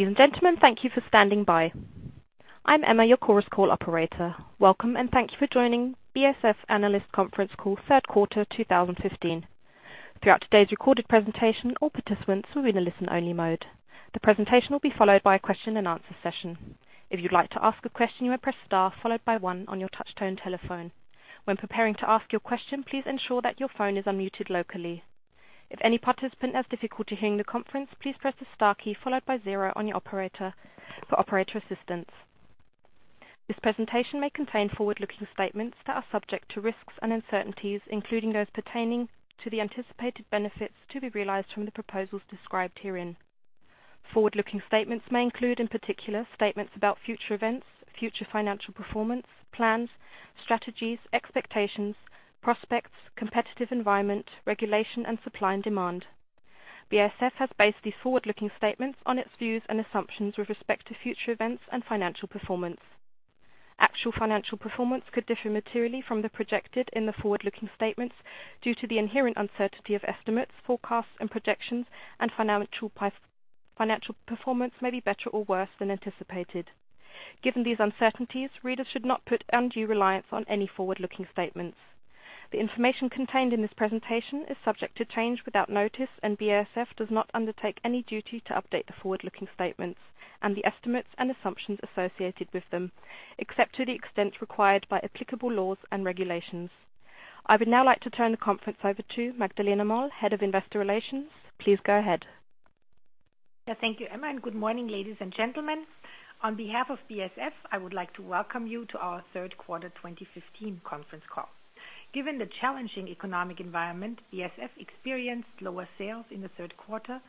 Ladies and gentlemen, thank you for standing by. I'm Emma, your Chorus Call operator. Welcome, and thank you for joining BASF Analyst conference call, third quarter 2015. Throughout today's recorded presentation, all participants will be in a listen-only mode. The presentation will be followed by a question-and-answer session. If you'd like to ask a question, you may press star, followed by one on your touch-tone telephone. When preparing to ask your question, please ensure that your phone is unmuted locally. If any participant has difficulty hearing the conference, please press the star key followed by zero to reach the operator for operator assistance. This presentation may contain forward-looking statements that are subject to risks and uncertainties, including those pertaining to the anticipated benefits to be realized from the proposals described herein. Forward-looking statements may include, in particular, statements about future events, future financial performance, plans, strategies, expectations, prospects, competitive environment, regulation, and supply and demand. BASF has based these forward-looking statements on its views and assumptions with respect to future events and financial performance. Actual financial performance could differ materially from those projected in the forward-looking statements due to the inherent uncertainty of estimates, forecasts, and projections, and financial performance may be better or worse than anticipated. Given these uncertainties, readers should not put undue reliance on any forward-looking statements. The information contained in this presentation is subject to change without notice, and BASF does not undertake any duty to update the forward-looking statements and the estimates and assumptions associated with them, except to the extent required by applicable laws and regulations. I would now like to turn the conference over to Magdalena Moll, Head of Investor Relations. Please go ahead. Yeah. Thank you, Emma, and good morning, ladies and gentlemen. On behalf of BASF, I would like to welcome you to our third quarter 2015 conference call. Given the challenging economic environment, BASF experienced lower sales in the third quarter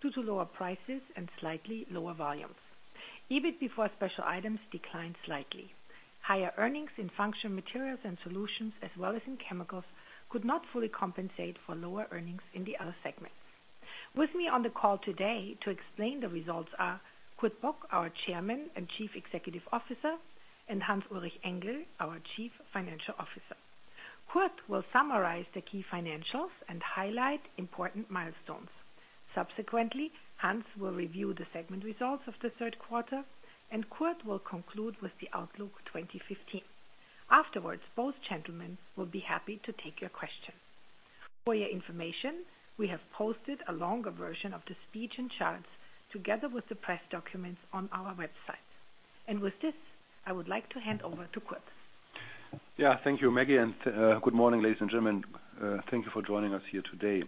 due to lower prices and slightly lower volumes. EBIT before special items declined slightly. Higher earnings in Functional Materials and Solutions as well as in Chemicals could not fully compensate for lower earnings in the other segments. With me on the call today to explain the results are Kurt Bock, our Chairman and Chief Executive Officer, and Hans-Ulrich Engel, our Chief Financial Officer. Kurt will summarize the key financials and highlight important milestones. Subsequently, Hans will review the segment results of the third quarter, and Kurt will conclude with the outlook 2015. Afterwards, both gentlemen will be happy to take your questions. For your information, we have posted a longer version of the speech and charts together with the press documents on our website. With this, I would like to hand over to Kurt. Yeah. Thank you, Maggie, and good morning, ladies and gentlemen. Thank you for joining us here today.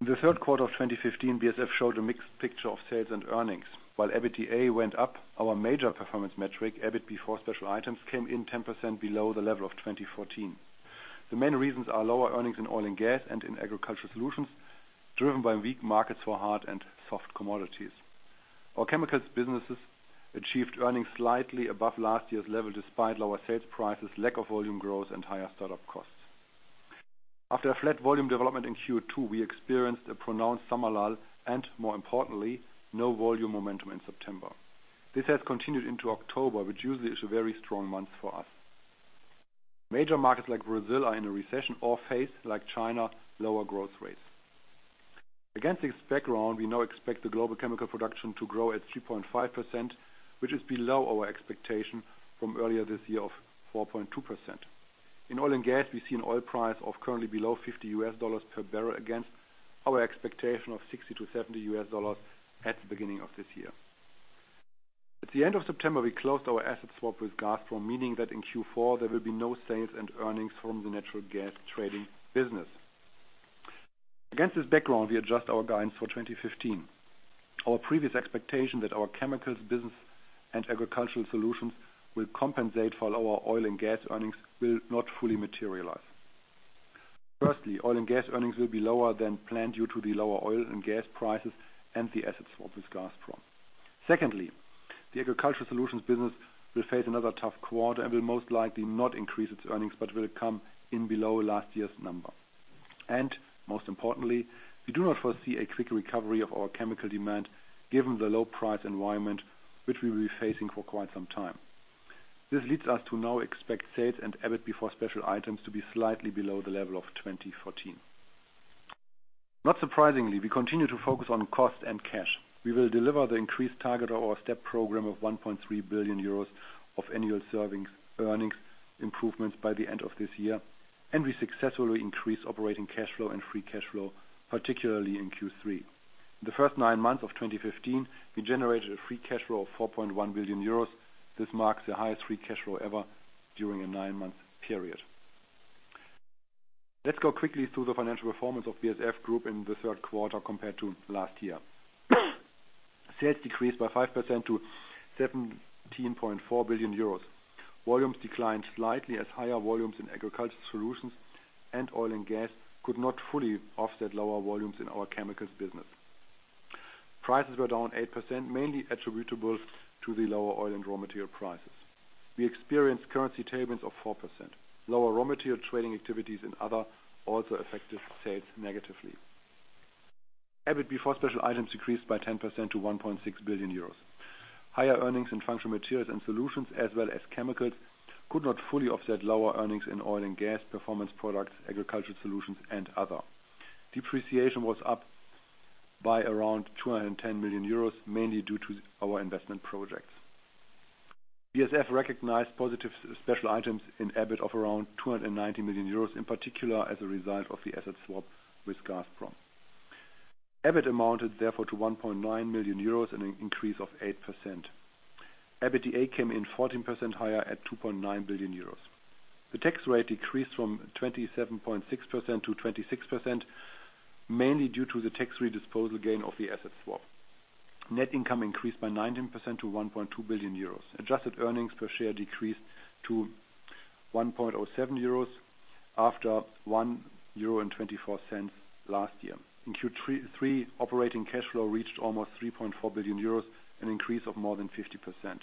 In the third quarter of 2015, BASF showed a mixed picture of sales and earnings. While EBITDA went up, our major performance metric, EBIT before special items, came in 10% below the level of 2014. The main reasons are lower earnings in oil and gas and in agricultural solutions, driven by weak markets for hard and soft commodities. Our chemicals businesses achieved earnings slightly above last year's level despite lower sales prices, lack of volume growth, and higher startup costs. After a flat volume development in Q2, we experienced a pronounced summer lull, and more importantly, no volume momentum in September. This has continued into October, which usually is a very strong month for us. Major markets like Brazil are in a recession or face, like China, lower growth rates. Against this background, we now expect the global chemical production to grow at 2.5%, which is below our expectation from earlier this year of 4.2%. In oil and gas, we see an oil price of currently below $50 per barrel against our expectation of $60-$70 at the beginning of this year. At the end of September, we closed our asset swap with Gazprom, meaning that in Q4 there will be no sales and earnings from the natural gas trading business. Against this background, we adjust our guidance for 2015. Our previous expectation that our chemicals business and agricultural solutions will compensate for lower oil and gas earnings will not fully materialize. Firstly, oil and gas earnings will be lower than planned due to the lower oil and gas prices and the assets swap with Gazprom. Secondly, the agricultural solutions business will face another tough quarter and will most likely not increase its earnings but will come in below last year's number. Most importantly, we do not foresee a quick recovery of our chemical demand given the low price environment which we will be facing for quite some time. This leads us to now expect sales and EBIT before special items to be slightly below the level of 2014. Not surprisingly, we continue to focus on cost and cash. We will deliver the increased target of our STEP program of 1.3 billion euros of annual savings and earnings improvements by the end of this year, and we successfully increased operating cash flow and free cash flow, particularly in Q3. The first nine months of 2015, we generated a free cash flow of 4.1 billion euros. This marks the highest free cash flow ever during a nine-month period. Let's go quickly through the financial performance of BASF Group in the third quarter compared to last year. Sales decreased by 5% to 17.4 billion euros. Volumes declined slightly as higher volumes in agricultural solutions and oil and gas could not fully offset lower volumes in our chemicals business. Prices were down 8%, mainly attributable to the lower oil and raw material prices. We experienced currency tailwinds of 4%. Lower raw material trading activities and other also affected sales negatively. EBIT before special items decreased by 10% to 1.6 billion euros. Higher earnings in Functional Materials & Solutions as well as Chemicals could not fully offset lower earnings in Oil & Gas, Performance Products, Agricultural Solutions and Other. Depreciation was up by around 210 million euros, mainly due to our investment projects. BASF recognized positive special items in EBIT of around 290 million euros, in particular as a result of the asset swap with Gazprom. EBIT amounted therefore to 1.9 billion euros, an increase of 8%. EBITDA came in 14% higher at 2.9 billion euros. The tax rate decreased from 27.6%-26%, mainly due to the tax disposal gain of the asset swap. Net income increased by 19% to 1.2 billion euros. Adjusted earnings per share decreased to 1.07 euros from 1.24 last year. In Q3, operating cash flow reached almost 3.4 billion euros, an increase of more than 50%.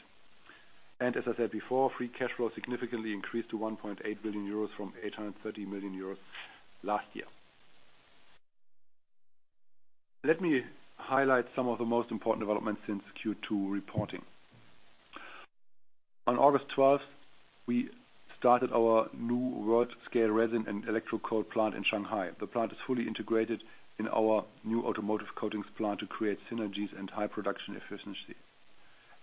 As I said before, free cash flow significantly increased to 1.8 billion euros from 830 million euros last year. Let me highlight some of the most important developments since Q2 reporting. On August 12th, we started our new world-scale resin and electrocoat plant in Shanghai. The plant is fully integrated in our new automotive coatings plant to create synergies and high production efficiency.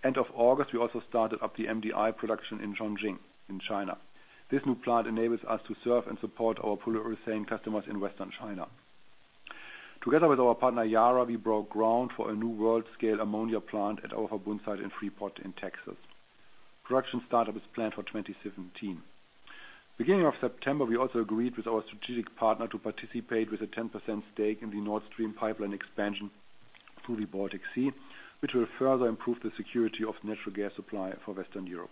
End of August, we also started up the MDI production in Chongqing in China. This new plant enables us to serve and support our polyurethane customers in Western China. Together with our partner Yara, we broke ground for a new world scale ammonia plant at our Verbund site in Freeport in Texas. Production startup is planned for 2017. Beginning of September, we also agreed with our strategic partner to participate with a 10% stake in the Nord Stream pipeline expansion through the Baltic Sea, which will further improve the security of natural gas supply for Western Europe.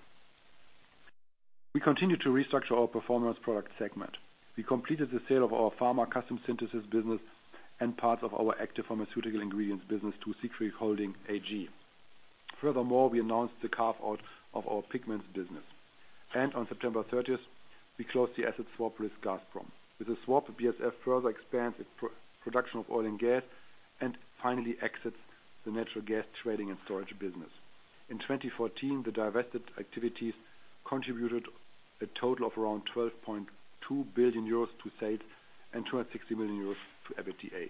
We continue to restructure our performance product segment. We completed the sale of our pharma custom synthesis business and parts of our active pharmaceutical ingredients business to Siegfried Holding AG. Furthermore, we announced the carve-out of our pigments business. On September 30th, we closed the asset swap with Gazprom. With the swap, BASF further expands its production of oil and gas and finally exits the natural gas trading and storage business. In 2014, the divested activities contributed a total of around 12.2 billion euros to sales and 260 million euros to EBITDA.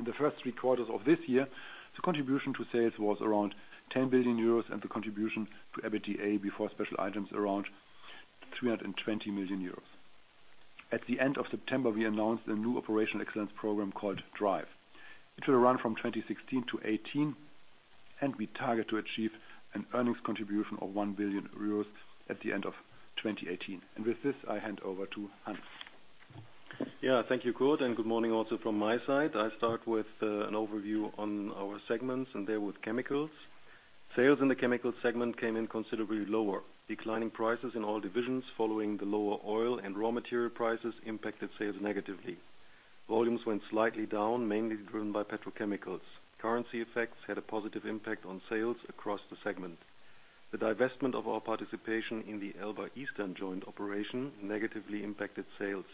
In the first three quarters of this year, the contribution to sales was around 10 billion euros and the contribution to EBITDA before special items around 320 million euros. At the end of September, we announced a new operational excellence program called Drive. It will run from 2016-2018, and we target to achieve an earnings contribution of 1 billion euros at the end of 2018. With this, I hand over to Hans. Yeah. Thank you, Kurt, and good morning also from my side. I start with an overview on our segments and there with Chemicals. Sales in the Chemicals segment came in considerably lower. Declining prices in all divisions following the lower oil and raw material prices impacted sales negatively. Volumes went slightly down, mainly driven by petrochemicals. Currency effects had a positive impact on sales across the segment. The divestment of our participation in the Ellba Eastern joint operation negatively impacted sales.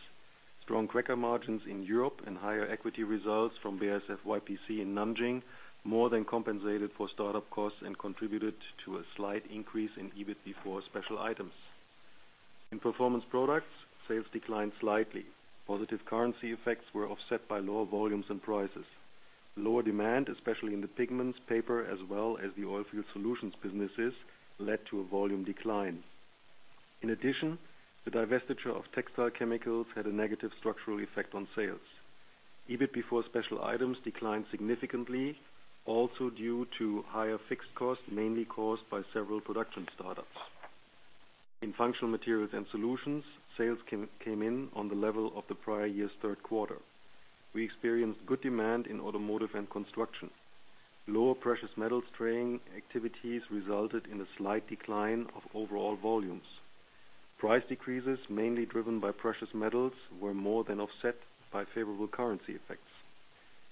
Strong cracker margins in Europe and higher equity results from BASF-YPC in Nanjing more than compensated for start-up costs and contributed to a slight increase in EBIT before special items. In Performance Products, sales declined slightly. Positive currency effects were offset by lower volumes and prices. Lower demand, especially in the pigments paper as well as the oil field solutions businesses, led to a volume decline. In addition, the divestiture of textile chemicals had a negative structural effect on sales. EBIT before special items declined significantly also due to higher fixed costs, mainly caused by several production startups. In Functional Materials and Solutions, sales came in on the level of the prior year's third quarter. We experienced good demand in automotive and construction. Lower precious metals trading activities resulted in a slight decline of overall volumes. Price decreases, mainly driven by precious metals, were more than offset by favorable currency effects.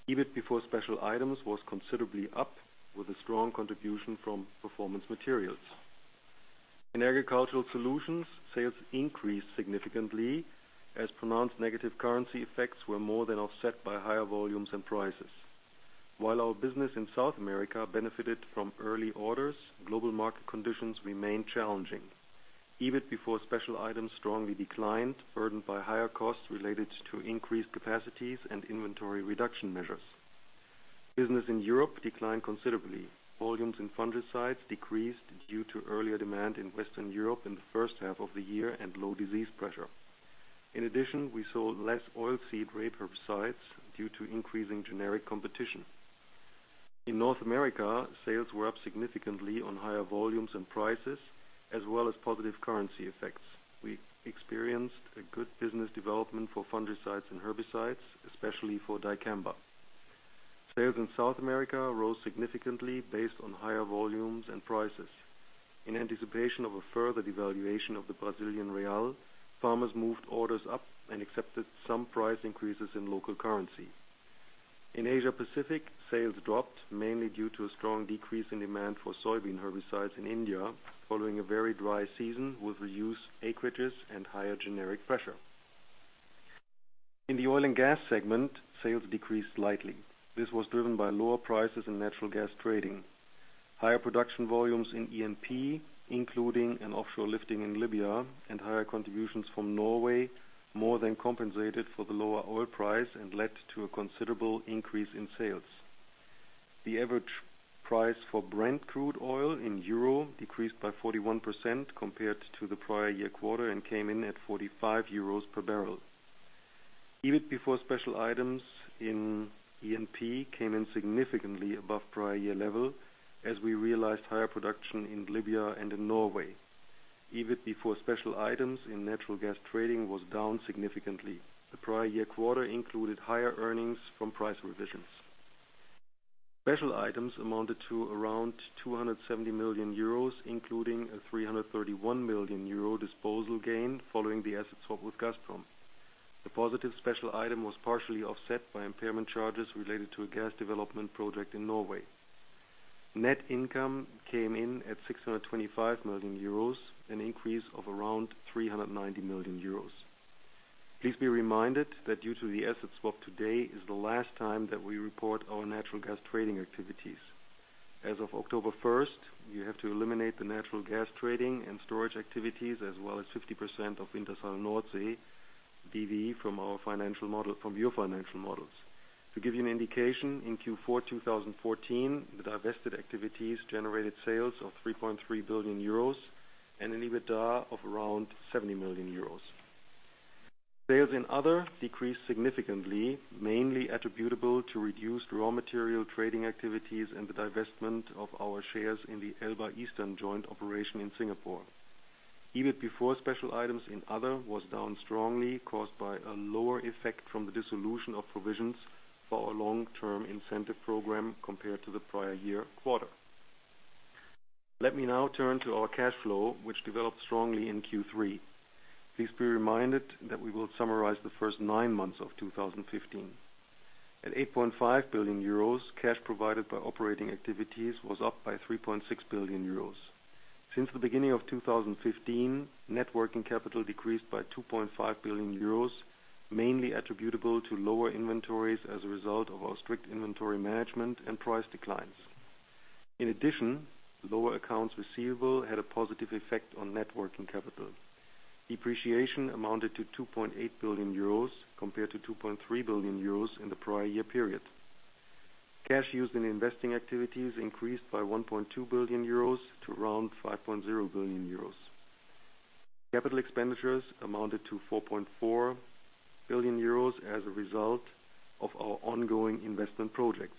EBIT before special items was considerably up with a strong contribution from Performance Materials. In Agricultural Solutions, sales increased significantly as pronounced negative currency effects were more than offset by higher volumes and prices. While our business in South America benefited from early orders, global market conditions remained challenging. EBIT before special items strongly declined, burdened by higher costs related to increased capacities and inventory reduction measures. Business in Europe declined considerably. Volumes in fungicides decreased due to earlier demand in Western Europe in the first half of the year and low disease pressure. In addition, we sold less oilseed rape herbicides due to increasing generic competition. In North America, sales were up significantly on higher volumes and prices as well as positive currency effects. We experienced a good business development for fungicides and herbicides, especially for dicamba. Sales in South America rose significantly based on higher volumes and prices. In anticipation of a further devaluation of the Brazilian real, farmers moved orders up and accepted some price increases in local currency. In Asia Pacific, sales dropped mainly due to a strong decrease in demand for soybean herbicides in India following a very dry season with reduced acreages and higher generic pressure. In the oil and gas segment, sales decreased slightly. This was driven by lower prices in natural gas trading. Higher production volumes in E&P, including an offshore lifting in Libya and higher contributions from Norway, more than compensated for the lower oil price and led to a considerable increase in sales. The average price for Brent crude oil in EUR decreased by 41% compared to the prior year quarter, and came in at 45 euros per barrel. EBIT before special items in E&P came in significantly above prior year level as we realized higher production in Libya and in Norway. EBIT before special items in natural gas trading was down significantly. The prior year quarter included higher earnings from price revisions. Special items amounted to around 270 million euros, including a 331 million euro disposal gain following the asset swap with Gazprom. The positive special item was partially offset by impairment charges related to a gas development project in Norway. Net income came in at 625 million euros, an increase of around 390 million euros. Please be reminded that due to the asset swap, today is the last time that we report our natural gas trading activities. As of October first, you have to eliminate the natural gas trading and storage activities, as well as 50% of Wintershall Noordzee B.V. from your financial models. To give you an indication, in Q4 2014, the divested activities generated sales of 3.3 billion euros and an EBITDA of around 70 million euros. Sales in other decreased significantly, mainly attributable to reduced raw material trading activities and the divestment of our shares in the Ellba Eastern joint operation in Singapore. EBIT before special items in other was down strongly, caused by a lower effect from the dissolution of provisions for our long-term incentive program compared to the prior year quarter. Let me now turn to our cash flow, which developed strongly in Q3. Please be reminded that we will summarize the first nine months of 2015. At 8.5 billion euros, cash provided by operating activities was up by 3.6 billion euros. Since the beginning of 2015, net working capital decreased by 2.5 billion euros, mainly attributable to lower inventories as a result of our strict inventory management and price declines. In addition, lower accounts receivable had a positive effect on net working capital. Depreciation amounted to 2.8 billion euros compared to 2.3 billion euros in the prior year period. Cash used in investing activities increased by 1.2 billion euros to around 5.0 billion euros. Capital expenditures amounted to 4.4 billion euros as a result of our ongoing investment projects.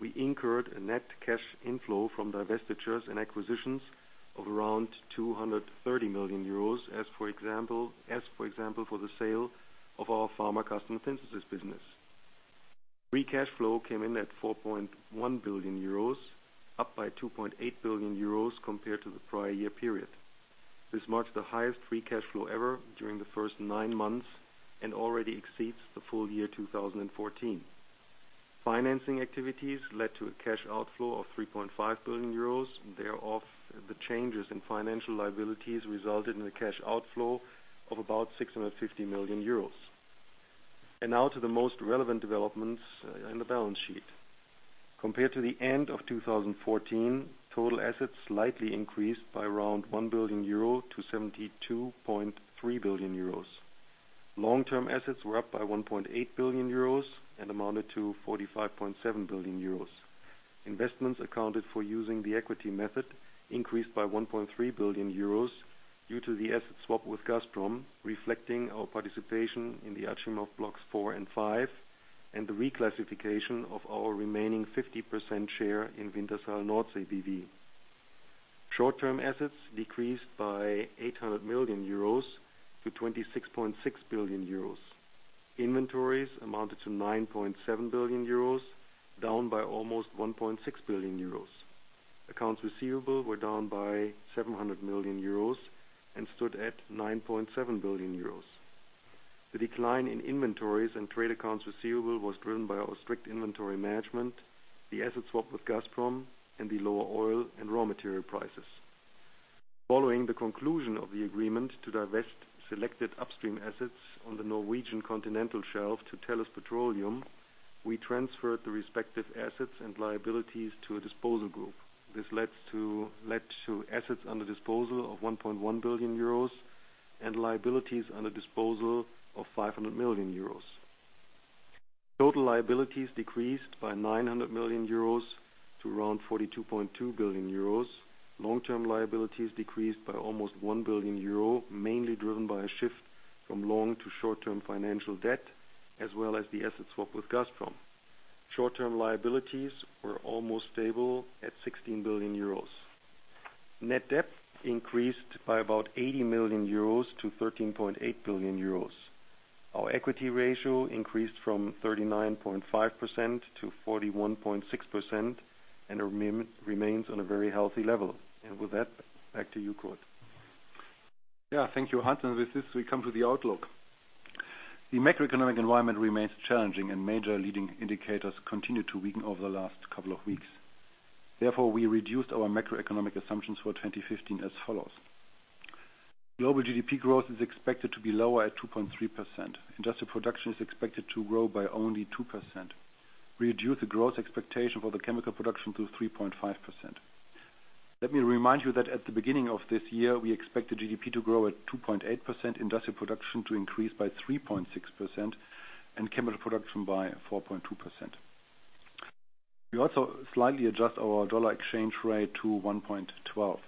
We incurred a net cash inflow from divestitures and acquisitions of around 230 million euros, as for example, for the sale of our pharma custom synthesis business. Free cash flow came in at 4.1 billion euros, up by 2.8 billion euros compared to the prior year period. This marks the highest free cash flow ever during the first nine months and already exceeds the full year 2014. Financing activities led to a cash outflow of 3.5 billion euros. Thereof, the changes in financial liabilities resulted in a cash outflow of about 650 million euros. Now to the most relevant developments in the balance sheet. Compared to the end of 2014, total assets slightly increased by around 1 billion-72.3 billion euro. Long-term assets were up by 1.8 billion euros and amounted to 45.7 billion euros. Investments accounted for using the equity method increased by 1.3 billion euros due to the asset swap with Gazprom, reflecting our participation in the Achimov Blocks four and five, and the reclassification of our remaining 50% share in Wintershall Noordzee B.V. Short-term assets decreased by 800 million-26.6 billion euros. Inventories amounted to 9.7 billion euros, down by almost 1.6 billion euros. Accounts receivable were down by 700 million euros and stood at 9.7 billion euros. The decline in inventories and trade accounts receivable was driven by our strict inventory management, the asset swap with Gazprom, and the lower oil and raw material prices. Following the conclusion of the agreement to divest selected upstream assets on the Norwegian continental shelf to Tellus Petroleum, we transferred the respective assets and liabilities to a disposal group. This led to assets under disposal of 1.1 billion euros and liabilities under disposal of 500 million euros. Total liabilities decreased by 900 million euros to around 42.2 billion euros. Long-term liabilities decreased by almost 1 billion euro, mainly driven by a shift from long to short-term financial debt, as well as the asset swap with Gazprom. Short-term liabilities were almost stable at 16 billion euros. Net debt increased by about 80 million euros to 13.8 billion euros. Our equity ratio increased from 39.5% to 41.6%, and remains on a very healthy level. With that, back to you, Kurt. Yeah. Thank you, Hans. With this, we come to the outlook. The macroeconomic environment remains challenging, and major leading indicators continued to weaken over the last couple of weeks. Therefore, we reduced our macroeconomic assumptions for 2015 as follows. Global GDP growth is expected to be lower at 2.3%. Industrial production is expected to grow by only 2%. We reduce the growth expectation for the chemical production to 3.5%. Let me remind you that at the beginning of this year, we expected GDP to grow at 2.8%, industrial production to increase by 3.6%, and chemical production by 4.2%. We also slightly adjust our dollar exchange rate to 1.12.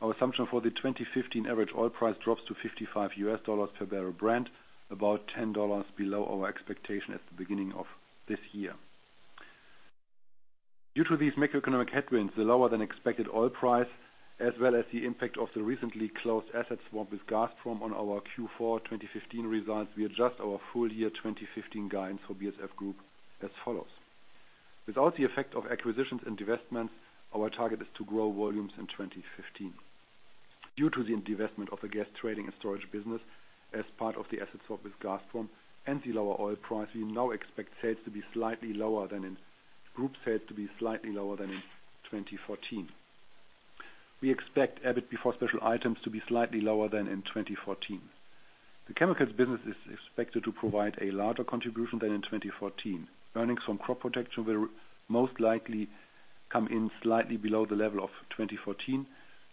Our assumption for the 2015 average oil price drops to $55 per barrel Brent, about $10 below our expectation at the beginning of this year. Due to these macroeconomic headwinds, the lower-than-expected oil price, as well as the impact of the recently closed asset swap with Gazprom on our Q4 2015 results, we adjust our full-year 2015 guidance for BASF Group as follows. Without the effect of acquisitions and divestments, our target is to grow volumes in 2015. Due to the divestment of the gas trading and storage business as part of the assets of this Gazprom and the lower oil price, we now expect group sales to be slightly lower than in 2014. We expect EBIT before special items to be slightly lower than in 2014. The chemicals business is expected to provide a larger contribution than in 2014. Earnings from crop protection will most likely come in slightly below the level of 2014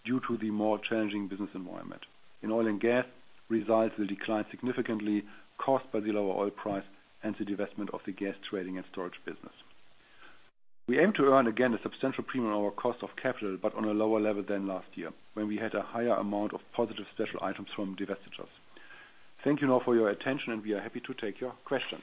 due to the more challenging business environment. In oil and gas, results will decline significantly, caused by the lower oil price and the divestment of the gas trading and storage business. We aim to earn, again, a substantial premium on our cost of capital, but on a lower level than last year, when we had a higher amount of positive special items from divestitures. Thank you now for your attention, and we are happy to take your questions.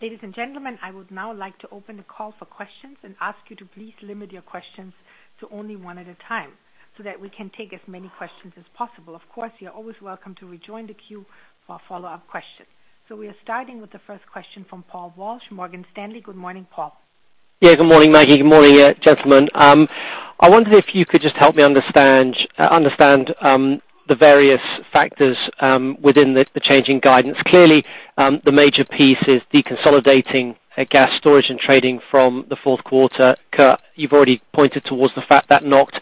Ladies and gentlemen, I would now like to open the call for questions and ask you to please limit your questions to only one at a time so that we can take as many questions as possible. Of course, you're always welcome to rejoin the queue for follow-up questions. We are starting with the first question from Paul Walsh, Morgan Stanley. Good morning, Paul. Yeah, good morning, Maggie. Good morning, gentlemen. I wondered if you could just help me understand the various factors within the changing guidance. Clearly, the major piece is deconsolidating a gas storage and trading from the fourth quarter. Kurt, you've already pointed towards the fact that knocked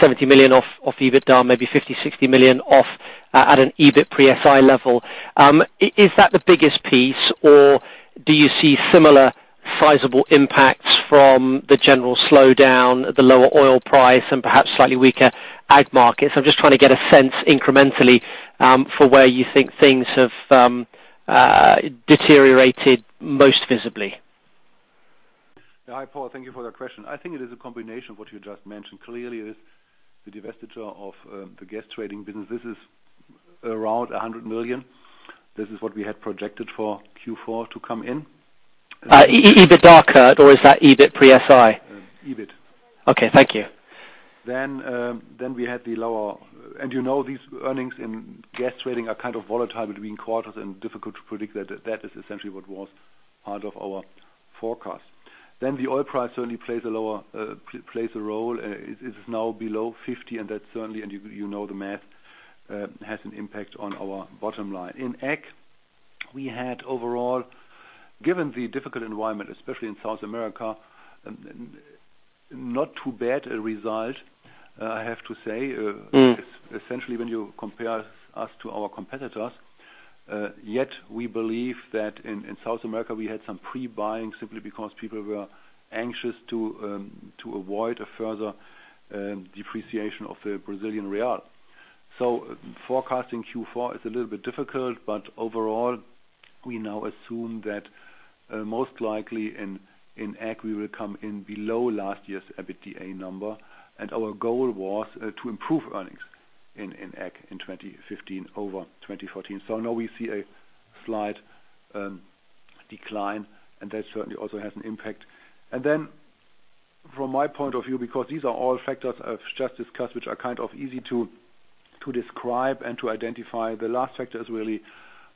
70 million off EBITDA, maybe 50, 60 million off at an EBIT pre-SI level. Is that the biggest piece or do you see similar sizable impacts from the general slowdown, the lower oil price and perhaps slightly weaker ag markets? I'm just trying to get a sense incrementally for where you think things have deteriorated most visibly. Yeah. Hi, Paul. Thank you for that question. I think it is a combination of what you just mentioned. Clearly is the divestiture of the gas trading business. This is around 100 million. This is what we had projected for Q4 to come in. EBITDA, Kurt, or is that EBIT pre-SI? EBIT. Okay, thank you. We had the lower. You know, these earnings in gas trading are kind of volatile between quarters and difficult to predict. That is essentially what was part of our forecast. The oil price certainly plays a role. It is now below $50, and that certainly, you know the math, has an impact on our bottom line. In Ag, we had overall, given the difficult environment, especially in South America, not too bad a result, I have to say. Essentially when you compare us to our competitors. Yet we believe that in South America, we had some pre-buying simply because people were anxious to avoid a further depreciation of the Brazilian real. Forecasting Q4 is a little bit difficult, but overall, we now assume that most likely in ag we will come in below last year's EBITDA number, and our goal was to improve earnings in ag in 2015 over 2014. Now we see a slight decline, and that certainly also has an impact. Then from my point of view, because these are all factors I've just discussed, which are kind of easy to describe and to identify, the last factor is really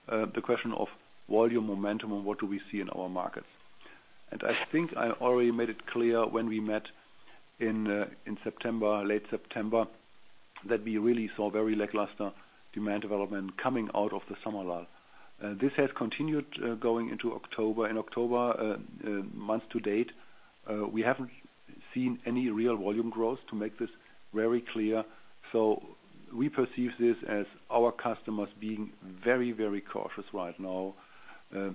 the question of volume, momentum, and what do we see in our markets. I think I already made it clear when we met in September, late September, that we really saw very lackluster demand development coming out of the summer lull. This has continued going into October. In October, month to date, we haven't seen any real volume growth to make this very clear. We perceive this as our customers being very, very cautious right now.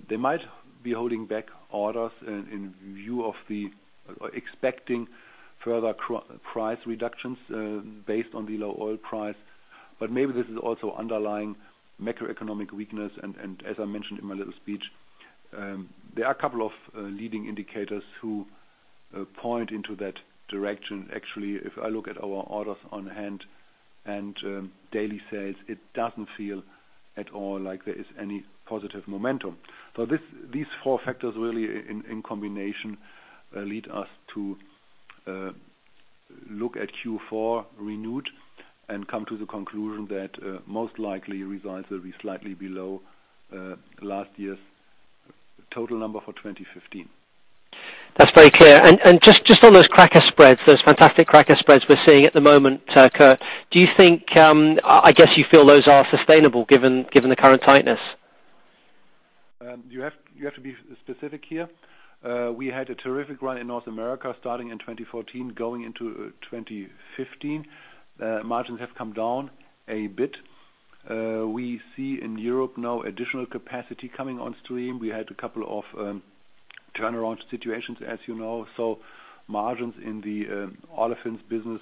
They might be holding back orders in view of expecting further price reductions based on the low oil price, but maybe this is also underlying macroeconomic weakness. As I mentioned in my little speech, there are a couple of leading indicators who point into that direction. Actually, if I look at our orders on hand and daily sales, it doesn't feel at all like there is any positive momentum. These four factors really in combination lead us to look at Q4 anew and come to the conclusion that most likely results will be slightly below last year's total number for 2015. That's very clear. Just on those cracker spreads, those fantastic cracker spreads we're seeing at the moment, Kurt, do you think I guess you feel those are sustainable given the current tightness? You have to be specific here. We had a terrific run in North America starting in 2014 going into 2015. Margins have come down a bit. We see in Europe now additional capacity coming on stream. We had a couple of turnaround situations, as you know. Margins in the olefins business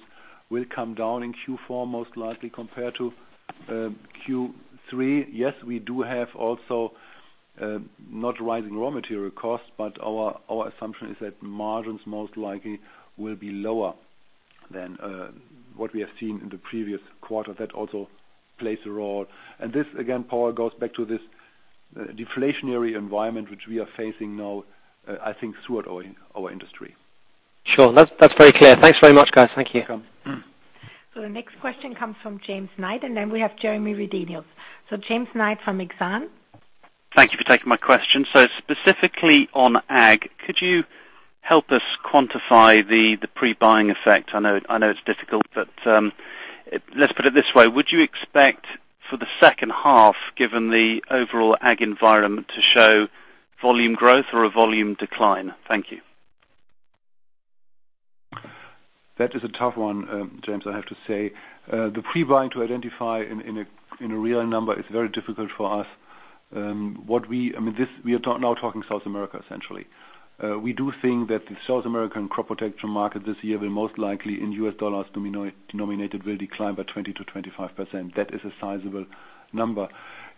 will come down in Q4 most likely compared to Q3. Yes, we do have also not rising raw material costs, but our assumption is that margins most likely will be lower than what we have seen in the previous quarter. That also plays a role. This again, Paul, goes back to this deflationary environment which we are facing now, I think, throughout our industry. Sure. That's very clear. Thanks very much, guys. Thank you. You're welcome. The next question comes from James Knight, and then we have Jeremy Redenius. James Knight from Exane. Thank you for taking my question. Specifically on ag, could you help us quantify the pre-buying effect? I know it's difficult, but let's put it this way. Would you expect for the second half, given the overall ag environment, to show volume growth or a volume decline? Thank you. That is a tough one, James, I have to say. The pre-buying to identify in a real number is very difficult for us. I mean, this. We are now talking South America, essentially. We do think that the South American crop protection market this year will most likely in U.S. dollar-denominated will decline by 20%-25%. That is a sizable number.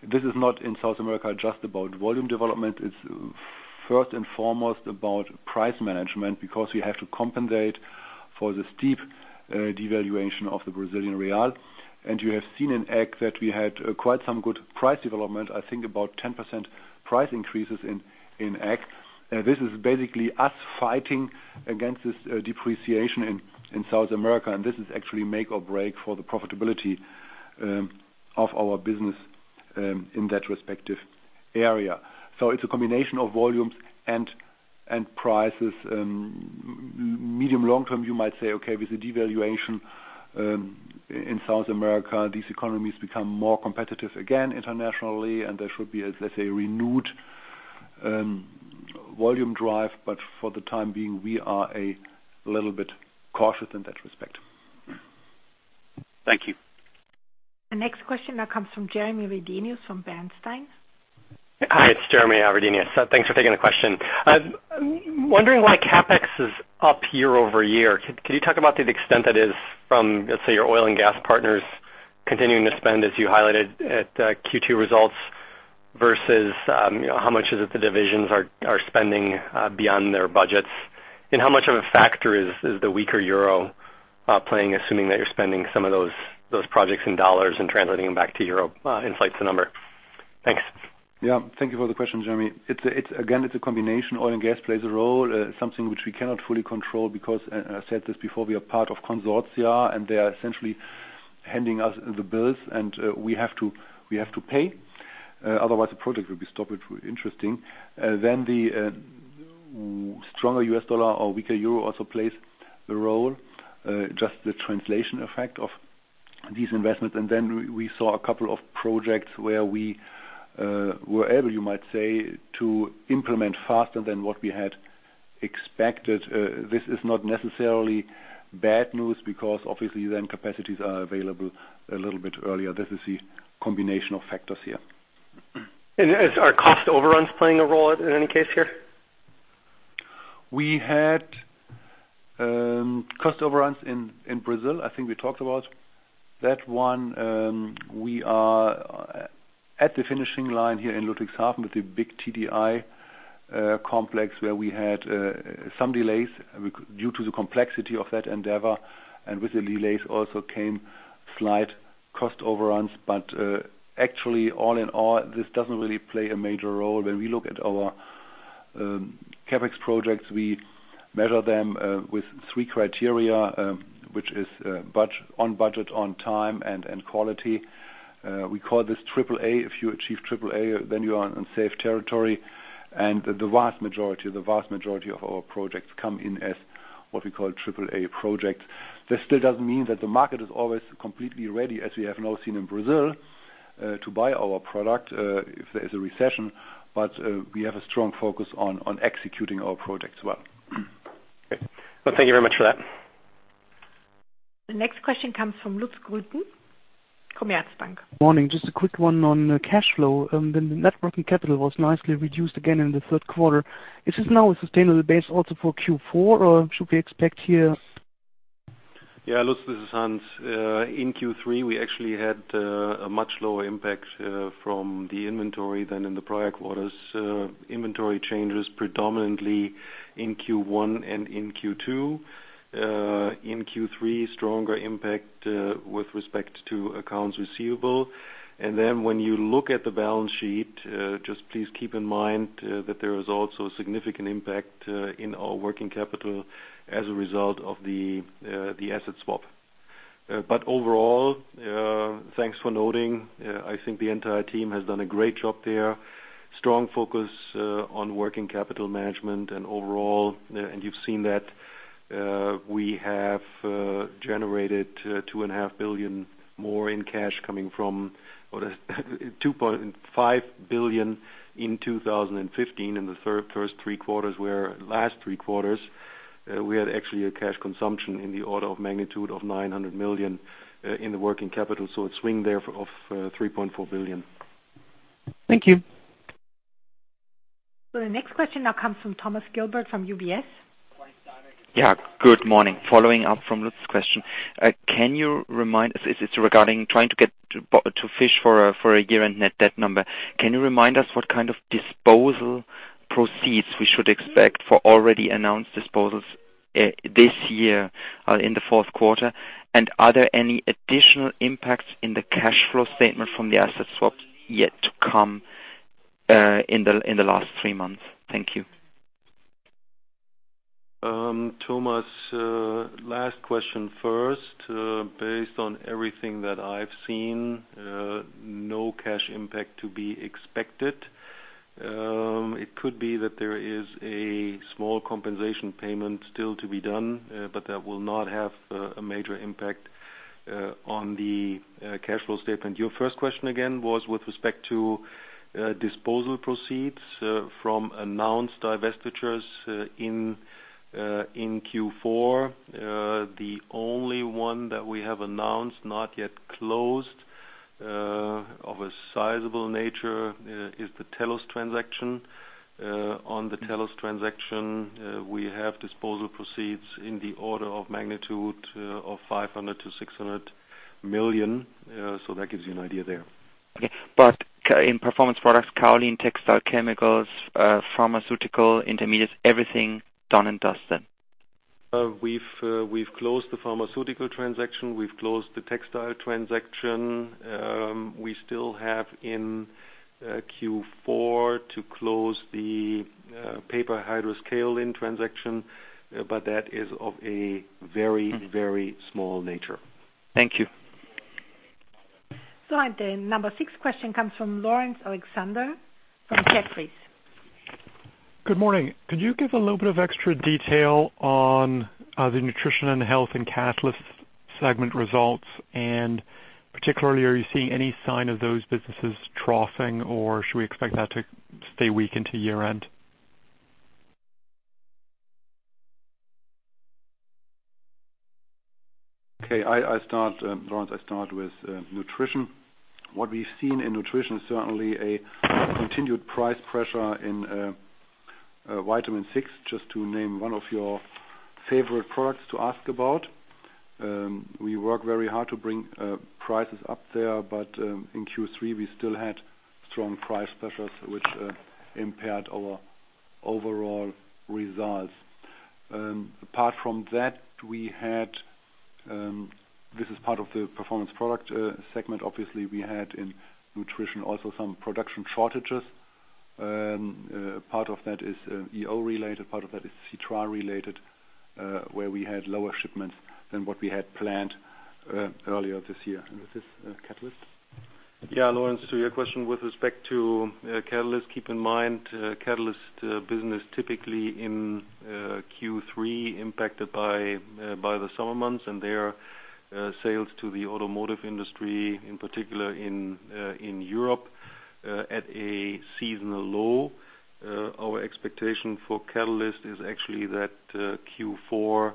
This is not in South America just about volume development. It's first and foremost about price management because we have to compensate for the steep devaluation of the Brazilian real. You have seen in ag that we had quite some good price development, I think about 10% price increases in ag. This is basically us fighting against this depreciation in South America, and this is actually make or break for the profitability of our business in that respective area. It's a combination of volumes and prices. Medium long term, you might say, okay, with the devaluation in South America, these economies become more competitive again internationally, and there should be a, let's say, renewed volume drive. For the time being, we are a little bit cautious in that respect. Thank you. The next question now comes from Jeremy Redenius from Bernstein. Hi, it's Jeremy Redenius. Thanks for taking the question. I'm wondering why CapEx is up year-over-year. Can you talk about the extent that is from, let's say, your oil and gas partners continuing to spend, as you highlighted at Q2 results, versus, you know, how much of it is the divisions are spending beyond their budgets? And how much of a factor is the weaker euro playing, assuming that you're spending some of those projects in dollars and translating them back to euro into the number? Thanks. Yeah. Thank you for the question, Jeremy. It's a combination. Oil and gas plays a role, something which we cannot fully control because I said this before, we are part of consortia, and they are essentially handing us the bills, and we have to pay. Otherwise the project will be stopped, which would be interesting. Then the stronger U.S. dollar or weaker euro also plays a role, just the translation effect of these investments. We saw a couple of projects where we were able, you might say, to implement faster than what we had expected. This is not necessarily bad news because obviously then capacities are available a little bit earlier. This is the combination of factors here. Are cost overruns playing a role in any case here? We had cost overruns in Brazil. I think we talked about that one. We are at the finishing line here in Ludwigshafen with the big TDI complex where we had some delays due to the complexity of that endeavor. With the delays also came slight cost overruns. Actually all in all, this doesn't really play a major role. When we look at our CapEx projects, we measure them with three criteria, which is on budget, on time, and quality. We call this triple A. If you achieve triple A, then you are on safe territory. The vast majority of our projects come in as what we call triple A projects. This still doesn't mean that the market is always completely ready, as we have now seen in Brazil, to buy our product, if there is a recession. We have a strong focus on executing our projects well. Great. Well, thank you very much for that. The next question comes from Lutz Grüten, Commerzbank. Morning. Just a quick one on cash flow. The net working capital was nicely reduced again in the third quarter. Is this now a sustainable base also for Q4, or should we expect here? Yeah, Lutz, this is Hans. In Q3, we actually had a much lower impact from the inventory than in the prior quarters. Inventory changes predominantly in Q1 and in Q2. In Q3, stronger impact with respect to accounts receivable. Then when you look at the balance sheet, just please keep in mind that there is also a significant impact in our working capital as a result of the asset swap. Overall, thanks for noting. I think the entire team has done a great job there. Strong focus on working capital management and overall, and you've seen that we have generated 2.5 billion more in cash coming from or the 2.5 billion in 2015 in the first three quarters, where last three quarters, we had actually a cash consumption in the order of magnitude of 900 million in the working capital. A swing there of 3.4 billion. Thank you. The next question now comes from Thomas Gilbert from UBS. Yeah, good morning. Following up from Lutz's question, can you remind us, it's regarding trying to get to fish for a year-end net debt number. Can you remind us what kind of disposal proceeds we should expect for already announced disposals this year in the fourth quarter? And are there any additional impacts in the cash flow statement from the asset swap yet to come in the last three months? Thank you. Thomas, last question first. Based on everything that I've seen, no cash impact to be expected. It could be that there is a small compensation payment still to be done, but that will not have a major impact on the cash flow statement. Your first question again was with respect to disposal proceeds from announced divestitures in Q4. The only one that we have announced, not yet closed, of a sizable nature, is the Tellus transaction. On the Tellus transaction, we have disposal proceeds in the order of magnitude of 500 million-600 million. So that gives you an idea there. Okay. In Performance Products, kaolin, textile chemicals, pharmaceutical intermediates, everything done and dusted? We've closed the pharmaceutical transaction. We've closed the textile transaction. We still have in Q4 to close the paper hydrous kaolin transaction, but that is of a very very small nature. Thank you. The number six question comes from Laurence Alexander from Jefferies. Good morning. Could you give a little bit of extra detail on the Nutrition and Health and Catalyst segment results? Particularly, are you seeing any sign of those businesses troughing, or should we expect that to stay weak into year-end? Okay. Laurence, I start with Nutrition. What we've seen in Nutrition, certainly a continued price pressure in Vitamin B6, just to name one of your favorite products to ask about. We work very hard to bring prices up there, but in Q3, we still had strong price pressures which impaired our overall results. Apart from that, this is part of the Performance Products segment, obviously we had in Nutrition also some production shortages. Part of that is EO related, part of that is citral related, where we had lower shipments than what we had planned earlier this year. With this, Catalyst? Yeah, Laurence, to your question with respect to Catalyst, keep in mind Catalyst business typically in Q3 impacted by the summer months and their sales to the automotive industry, in particular in Europe, at a seasonal low. Our expectation for Catalyst is actually that Q4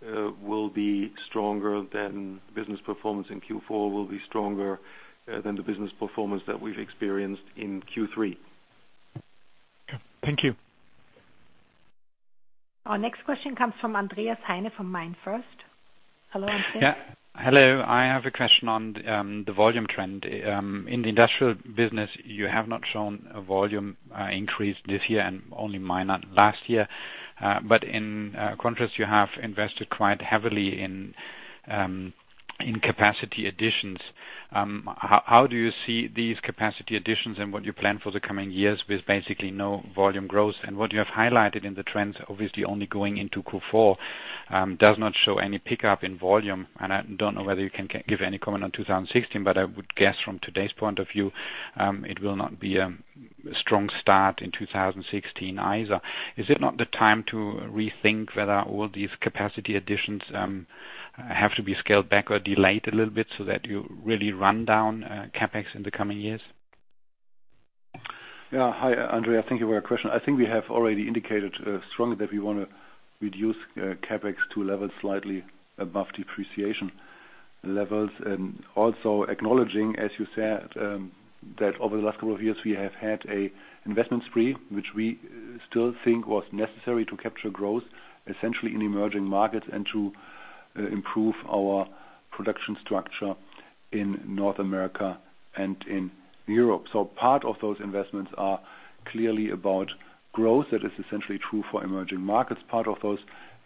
business performance will be stronger than the business performance that we've experienced in Q3. Okay. Thank you. Our next question comes from Andreas Heine from MainFirst. Hello, Andreas. Yeah. Hello. I have a question on the volume trend. In the industrial business, you have not shown a volume increase this year and only minor last year. In contrast, you have invested quite heavily in capacity additions. How do you see these capacity additions and what you plan for the coming years with basically no volume growth? What you have highlighted in the trends, obviously only going into Q4, does not show any pickup in volume. I don't know whether you can give any comment on 2016, but I would guess from today's point of view, it will not be a strong start in 2016 either. Is it not the time to rethink whether all these capacity additions have to be scaled back or delayed a little bit so that you really run down CapEx in the coming years? Yeah. Hi, Andreas. Thank you for your question. I think we have already indicated strongly that we wanna reduce CapEx to a level slightly above depreciation levels. Also acknowledging, as you said, that over the last couple of years, we have had an investment spree, which we still think was necessary to capture growth, essentially in emerging markets and to improve our production structure in North America and in Europe. Part of those investments are clearly about growth. That is essentially true for emerging markets. Part of those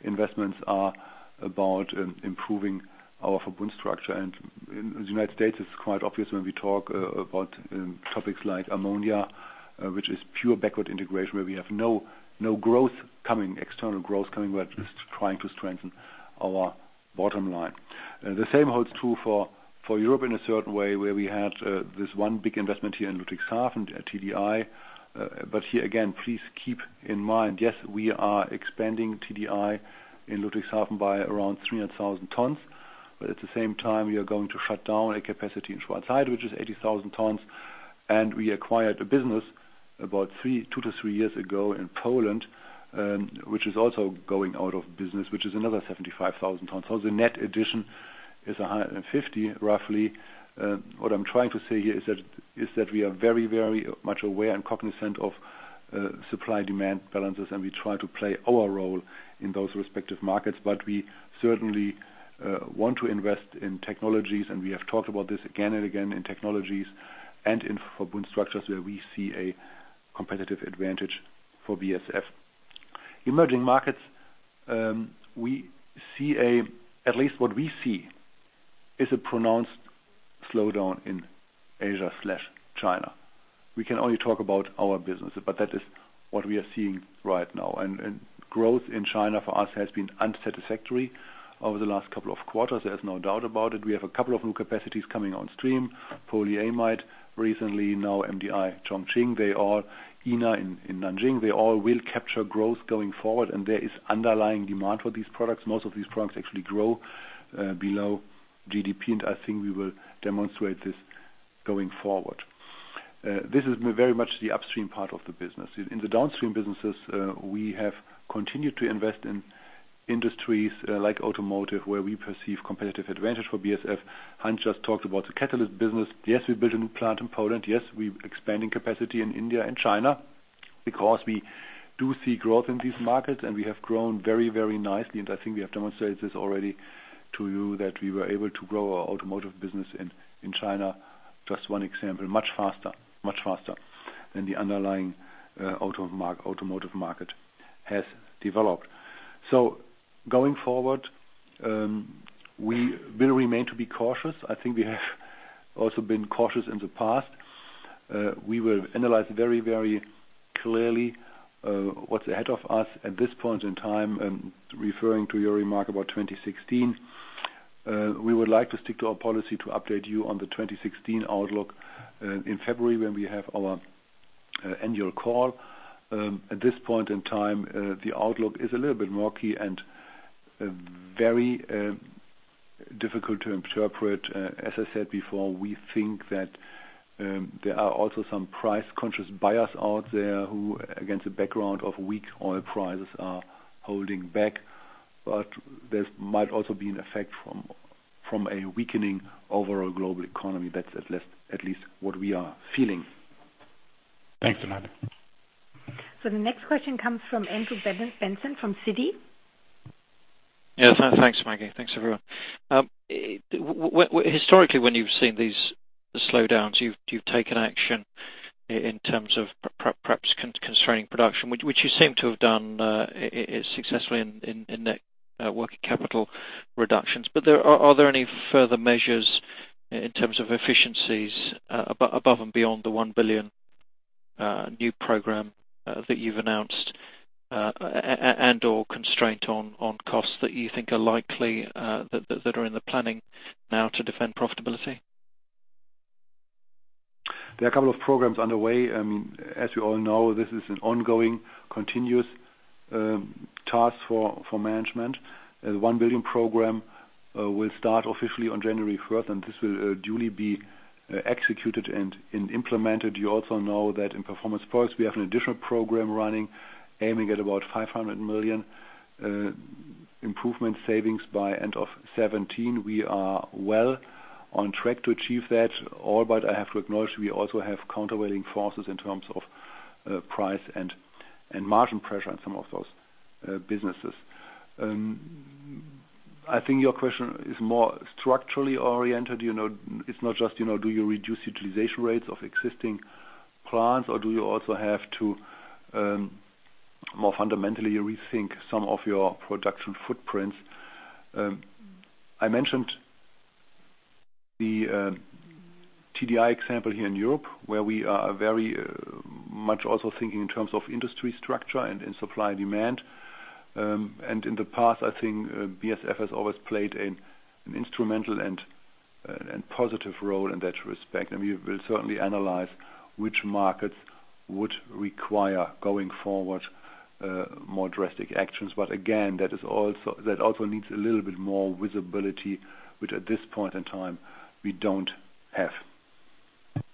investments are about improving our Verbund structure. In the United States, it's quite obvious when we talk about topics like ammonia, which is pure backward integration, where we have no external growth coming. We're just trying to strengthen our bottom line. The same holds true for Europe in a certain way, where we had this one big investment here in Ludwigshafen at TDI. Here again, please keep in mind, yes, we are expanding TDI in Ludwigshafen by around 300,000 tons. At the same time, we are going to shut down a capacity in Schwarzheide, which is 80,000 tons. We acquired a business about two to three years ago in Poland, which is also going out of business, which is another 75,000 tons. The net addition is 150, roughly. What I'm trying to say here is that we are very, very much aware and cognizant of supply-demand balances, and we try to play our role in those respective markets. We certainly want to invest in technologies, and we have talked about this again and again, in technologies and for structures where we see a competitive advantage for BASF. Emerging markets, we see at least what we see is a pronounced slowdown in Asia, China. We can only talk about our business, but that is what we are seeing right now. Growth in China for us has been unsatisfactory over the last couple of quarters. There's no doubt about it. We have a couple of new capacities coming on stream. Polyamide recently, now MDI Chongqing. They are in Nanjing. They all will capture growth going forward, and there is underlying demand for these products. Most of these products actually grow below GDP, and I think we will demonstrate this going forward. This is very much the upstream part of the business. In the downstream businesses, we have continued to invest in industries like automotive, where we perceive competitive advantage for BASF. Hans just talked about the catalyst business. Yes, we built a new plant in Poland. Yes, we're expanding capacity in India and China because we do see growth in these markets, and we have grown very nicely. I think we have demonstrated this already to you that we were able to grow our automotive business in China. Just one example, much faster than the underlying automotive market has developed. Going forward, we will remain to be cautious. I think we have also been cautious in the past. We will analyze very, very clearly what's ahead of us at this point in time, referring to your remark about 2016. We would like to stick to our policy to update you on the 2016 outlook in February when we have our annual call. At this point in time, the outlook is a little bit rocky and very difficult to interpret. As I said before, we think that there are also some price-conscious buyers out there who, against the background of weak oil prices, are holding back. This might also be an effect from a weakening overall global economy. That's at least what we are feeling. Thanks, Kurt. The next question comes from Andrew Benson from Citi. Yes, thanks, Maggie. Thanks, everyone. Historically, when you've seen these slowdowns, you've taken action in terms of perhaps constraining production, which you seem to have done successfully in net working capital reductions. Are there any further measures in terms of efficiencies above and beyond the 1 billion new program that you've announced and/or constraint on costs that you think are likely that are in the planning now to defend profitability? There are a couple of programs underway. I mean, as you all know, this is an ongoing continuous task for management. The 1 billion program will start officially on January first, and this will duly be executed and implemented. You also know that in Performance Products, we have an additional program running, aiming at about 500 million improvement savings by end of 2017. We are well on track to achieve that, but I have to acknowledge we also have counterweighting forces in terms of price and margin pressure in some of those businesses. I think your question is more structurally oriented. You know, it's not just, you know, do you reduce utilization rates of existing plants, or do you also have to more fundamentally rethink some of your production footprints? I mentioned the TDI example here in Europe, where we are very much also thinking in terms of industry structure and in supply and demand. In the past, I think, BASF has always played an instrumental and positive role in that respect. We will certainly analyze which markets would require going forward more drastic actions. Again, that also needs a little bit more visibility, which at this point in time, we don't have. Okay,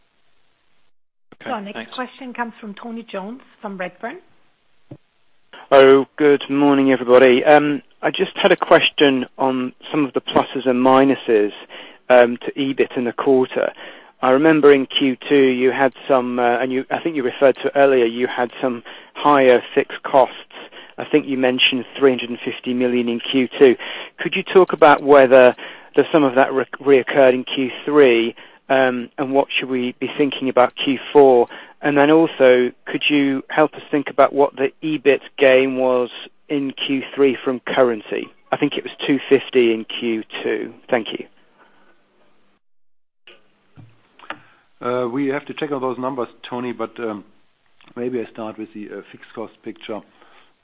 thanks. Our next question comes from Tony Jones from Redburn. Oh, good morning, everybody. I just had a question on some of the pluses and minuses to EBIT in the quarter. I remember in Q2, you had some, and I think you referred to earlier, you had some higher fixed costs. I think you mentioned 350 million in Q2. Could you talk about whether the same reoccurred in Q3? And what should we be thinking about Q4? Then also, could you help us think about what the EBIT gain was in Q3 from currency? I think it was 250 million in Q2. Thank you. We have to check on those numbers, Tony, but maybe I start with the fixed cost picture.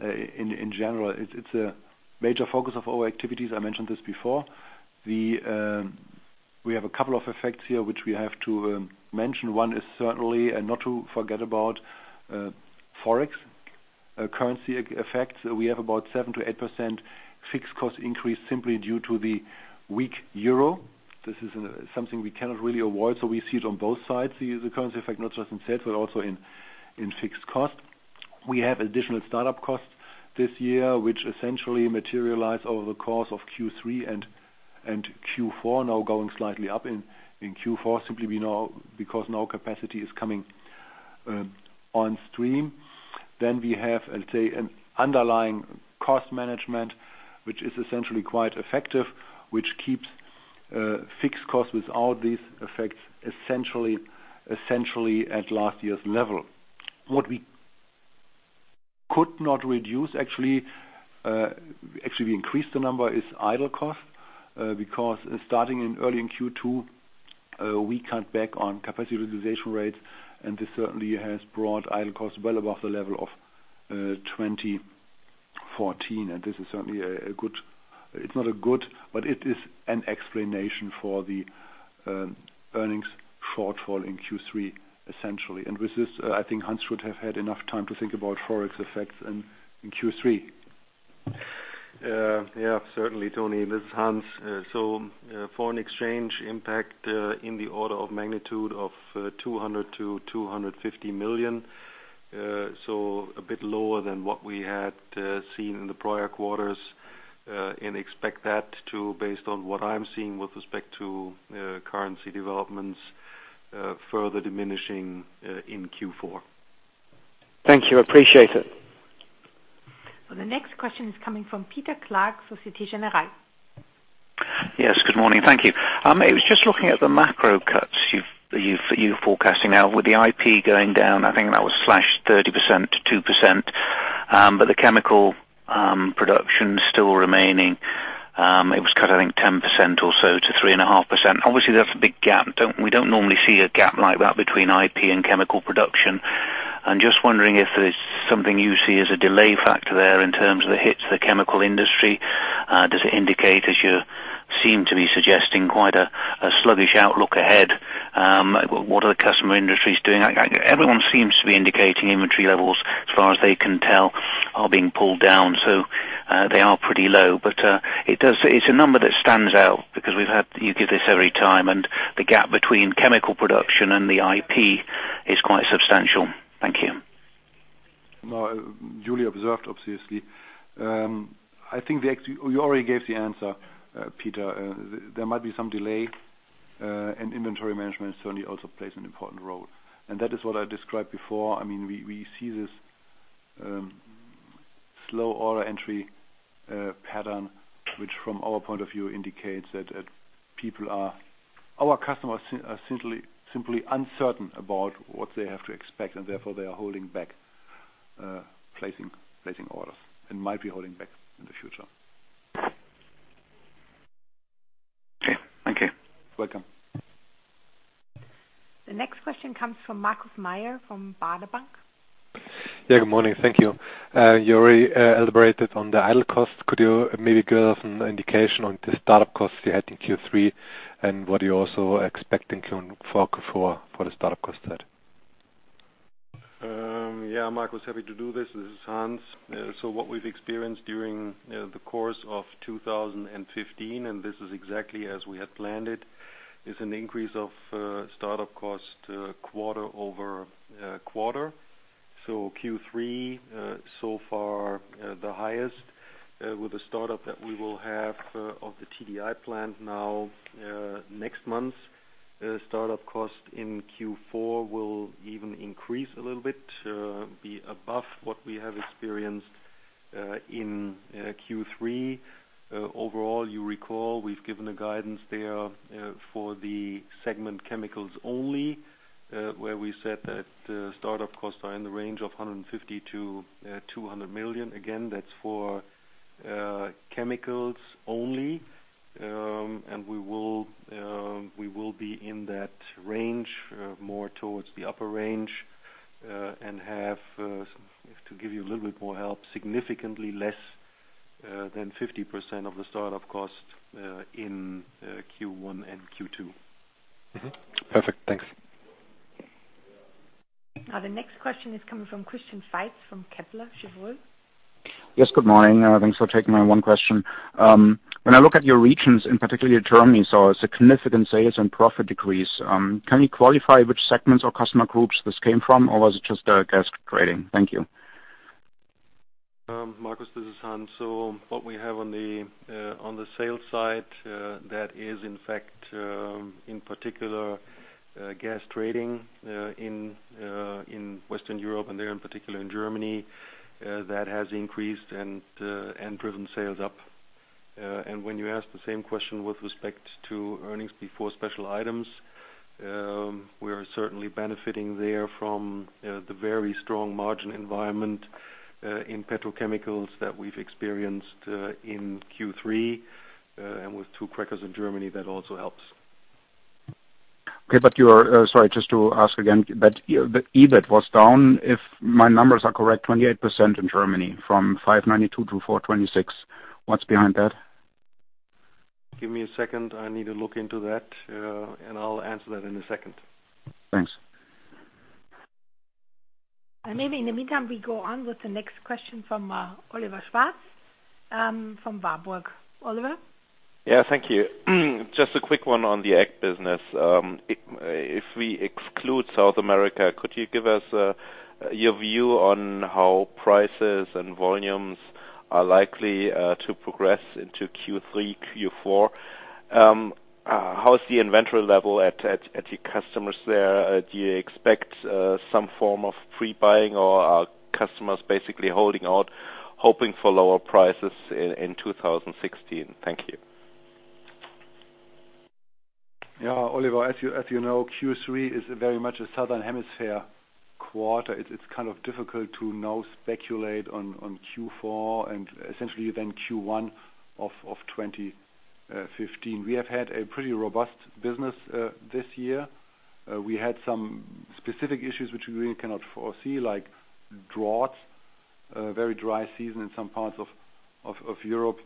In general, it's a major focus of our activities. I mentioned this before. We have a couple of effects here which we have to mention. One is certainly, and not to forget about, Forex currency effect. We have about 7%-8% fixed cost increase simply due to the weak euro. This is something we cannot really avoid, so we see it on both sides. See the currency effect, not just in sales, but also in fixed costs. We have additional start-up costs this year, which essentially materialize over the course of Q3 and Q4, now going slightly up in Q4, simply we know because no capacity is coming on stream. We have, I'll say, an underlying cost management, which is essentially quite effective, which keeps fixed costs without these effects essentially at last year's level. What we could not reduce, actually we increased the number, is idle costs because starting in early Q2 we cut back on capacity realization rates, and this certainly has brought idle costs well above the level of 2014, and this is certainly not a good, but it is an explanation for the earnings shortfall in Q3, essentially. With this, I think Hans would have had enough time to think about Forex effects in Q3. Yeah, certainly, Tony. This is Hans. Foreign exchange impact in the order of magnitude of 200 million-250 million, so a bit lower than what we had seen in the prior quarters, and we expect that to, based on what I'm seeing with respect to currency developments, further diminishing in Q4. Thank you. Appreciate it. The next question is coming from Peter Clark, Société Générale. Yes, good morning. Thank you. I was just looking at the macro cuts you're forecasting now with the IP going down. I think that was slashed 30%-2%, but the chemical production still remaining, it was cut, I think 10% or so to 3.5%. Obviously, that's a big gap. We don't normally see a gap like that between IP and chemical production. I'm just wondering if there's something you see as a delay factor there in terms of the hits to the chemical industry. Does it indicate, as you seem to be suggesting, quite a sluggish outlook ahead? What are the customer industries doing? Everyone seems to be indicating inventory levels, as far as they can tell, are being pulled down, so they are pretty low. It's a number that stands out because we've had you give this every time, and the gap between chemical production and the IP is quite substantial. Thank you. No, duly observed, obviously. I think we already gave the answer, Peter. There might be some delay, and inventory management certainly also plays an important role. That is what I described before. I mean, we see this slow order entry pattern, which from our point of view indicates that our customers are simply uncertain about what they have to expect, and therefore they are holding back placing orders and might be holding back in the future. Okay. Thank you. Welcome. The next question comes from Markus Mayer from Baader Bank. Yeah, good morning. Thank you. You already elaborated on the idle costs. Could you maybe give us an indication on the start-up costs you had in Q3 and what you're also expecting for Q4 for the start-up costs there? Marcus, happy to do this. This is Hans. What we've experienced during, you know, the course of 2015, and this is exactly as we had planned it, is an increase of start-up costs quarter-over-quarter. Q3 so far the highest with the start-up that we will have of the TDI plant next month. Start-up costs in Q4 will even increase a little bit, be above what we have experienced in Q3. Overall, you recall we've given guidance there for the Chemicals segment only, where we said that the start-up costs are in the range of 150 million-200 million. Again, that's for Chemicals only. We will be in that range, more towards the upper range, and have to give you a little bit more help, significantly less than 50% of the start-up cost in Q1 and Q2. Perfect. Thanks. Now the next question is coming from Christian Faitz from Kepler Cheuvreux. Yes, good morning. Thanks for taking my one question. When I look at your regions, in particular, Germany saw significant sales and profit decrease. Can you qualify which segments or customer groups this came from, or was it just gas trading? Thank you. Faitz, this is Hans. What we have on the sales side, that is in fact, in particular, gas trading in Western Europe and there in particular in Germany, that has increased and driven sales up. When you ask the same question with respect to earnings before special items, we are certainly benefiting there from, you know, the very strong margin environment in petrochemicals that we've experienced in Q3, and with two crackers in Germany, that also helps. Sorry, just to ask again, but EBIT was down 28% in Germany from 592 to 426. What's behind that? Give me a second. I need to look into that, and I'll answer that in a second. Thanks. Maybe in the meantime, we go on with the next question from Oliver Schwarz from Warburg. Oliver? Yeah, thank you. Just a quick one on the ag business. If we exclude South America, could you give us your view on how prices and volumes are likely to progress into Q3, Q4? How is the inventory level at your customers there? Do you expect some form of pre-buying or are customers basically holding out hoping for lower prices in 2016? Thank you. Yeah, Oliver, as you know, Q3 is very much a southern hemisphere quarter. It's kind of difficult to now speculate on Q4 and essentially then Q1 of 2015. We have had a pretty robust business this year. We had some specific issues which we really cannot foresee, like droughts, a very dry season in some parts of Europe.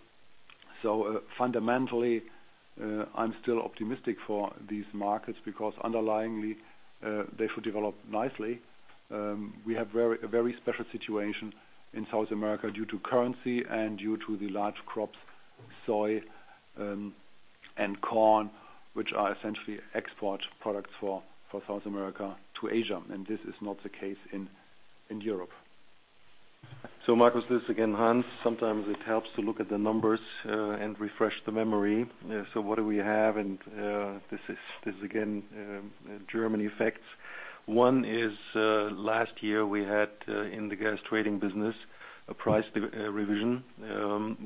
Fundamentally, I'm still optimistic for these markets because underlyingly they should develop nicely. We have a very special situation in South America due to currency and due to the large crops, soy and corn, which are essentially export products for South America to Asia, and this is not the case in Europe. Marcus, this is again Hans. Sometimes it helps to look at the numbers and refresh the memory. What do we have? This is again Germany effects. One is last year we had in the gas trading business a price revision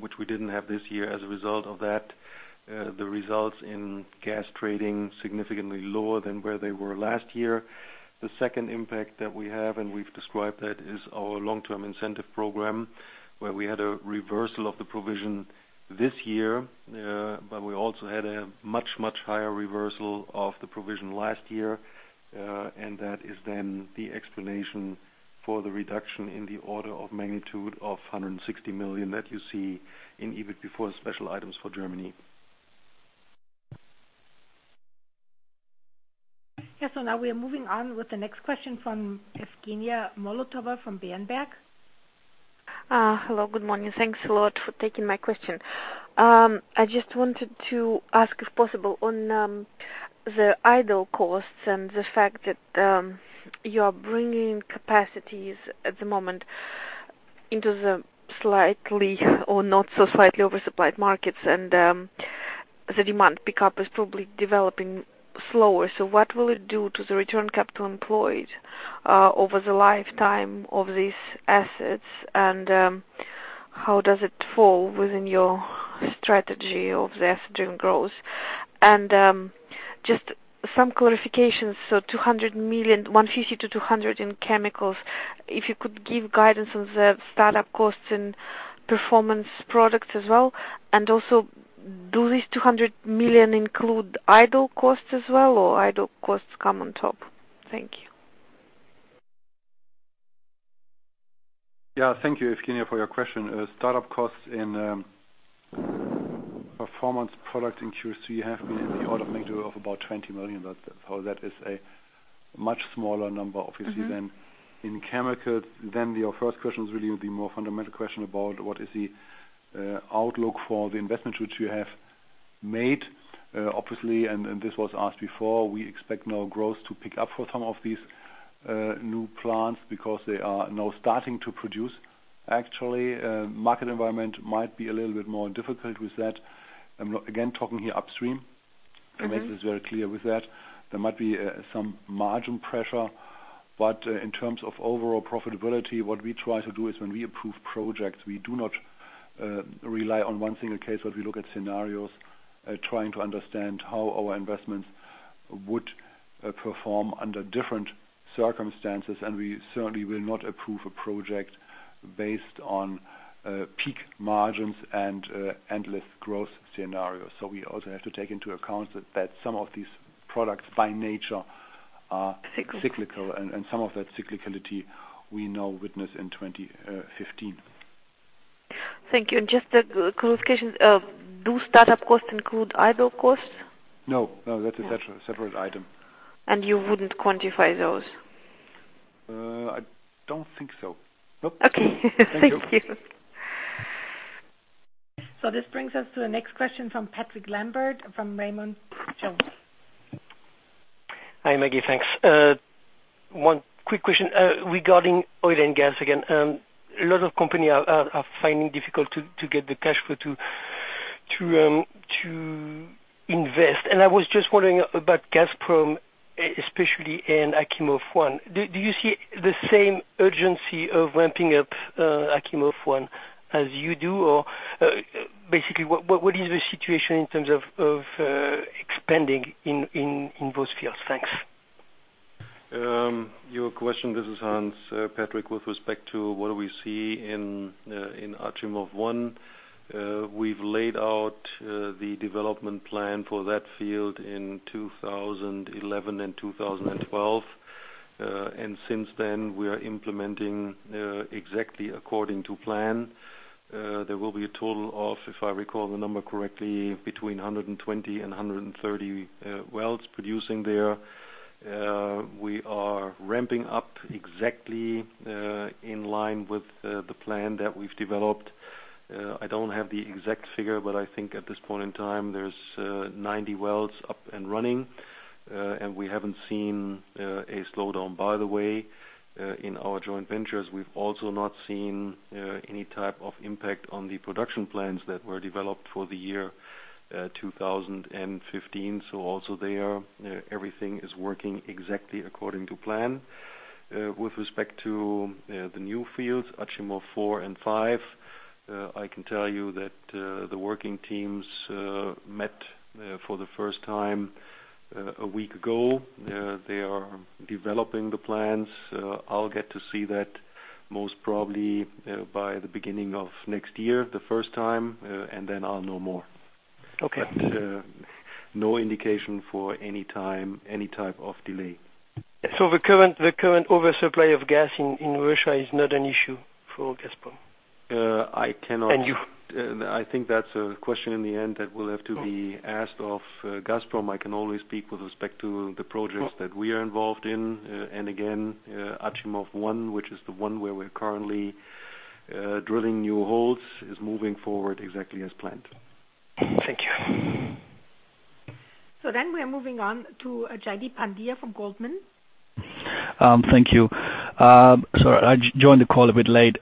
which we didn't have this year. As a result of that, the results in gas trading significantly lower than where they were last year. The second impact that we have, we've described that, is our long-term incentive program, where we had a reversal of the provision this year, but we also had a much, much higher reversal of the provision last year. That is then the explanation for the reduction in the order of magnitude of 160 million that you see in EBIT before special items for Germany. Yes. Now we are moving on with the next question from Evgenia Molotova from Berenberg. Hello, good morning. Thanks a lot for taking my question. I just wanted to ask, if possible, on the idle costs and the fact that you are bringing capacities at the moment into the slightly or not so slightly oversupplied markets, and the demand pickup is probably developing slower. What will it do to the return capital employed over the lifetime of these assets? How does it fall within your strategy of the asset growth? Just some clarifications. 200 million, 150 million-200 million in chemicals. If you could give guidance on the start-up costs and performance products as well. Also, do these 200 million include idle costs as well, or idle costs come on top? Thank you. Thank you, Evgenia, for your question. Start-up costs in Performance Products in Q3 have been in the order of magnitude of about 20 million, but so that is a much smaller number, obviously than in chemicals. Your first question is really the more fundamental question about what is the outlook for the investments which you have made. Obviously, and this was asked before, we expect now growth to pick up for some of these new plants because they are now starting to produce. Actually, market environment might be a little bit more difficult with that. I'm again talking here upstream. To make this very clear with that. There might be some margin pressure. In terms of overall profitability, what we try to do is when we approve projects, we do not rely on one single case. We look at scenarios, trying to understand how our investments would perform under different circumstances. We certainly will not approve a project based on peak margins and endless growth scenarios. We also have to take into account that some of these products by nature are Cyclical. Cyclical, and some of that cyclicality we now witness in 2015. Thank you. Just a clarification. Do start-up costs include idle costs? No, that's a separate item. You wouldn't quantify those? I don't think so. Nope. Okay. Thank you. Thank you. This brings us to the next question from Patrick Lambert from Raymond James. Hi, Maggie. Thanks. One quick question regarding oil and gas again. A lot of company are finding difficult to invest. I was just wondering about Gazprom, especially in Achimov One. Do you see the same urgency of ramping up Achimov One as you do? Or basically what is the situation in terms of expanding in those fields? Thanks. Your question, this is Hans, Patrick, with respect to what do we see in Achimov One. We've laid out the development plan for that field in 2011 and 2012. Since then we are implementing exactly according to plan. There will be a total of, if I recall the number correctly, between 120 and 130 wells producing there. We are ramping up exactly in line with the plan that we've developed. I don't have the exact figure, but I think at this point in time there's 90 wells up and running, and we haven't seen a slowdown. By the way, in our joint ventures we've also not seen any type of impact on the production plans that were developed for the year 2015. Also there, everything is working exactly according to plan. With respect to the new fields, Achimov 4 and 5, I can tell you that the working teams met for the first time a week ago. They are developing the plans. I'll get to see that most probably by the beginning of next year, the first time, and then I'll know more. Okay. No indication for any time, any type of delay. The current oversupply of gas in Russia is not an issue for Gazprom? I cannot. You. I think that's a question in the end that will have to be asked of Gazprom. I can only speak with respect to the projects that we are involved in. Again, Achimov 1, which is the one where we're currently drilling new holes, is moving forward exactly as planned. Thank you. We are moving on to Jaideep Pandya from Goldman. Thank you. Sorry, I joined the call a bit late.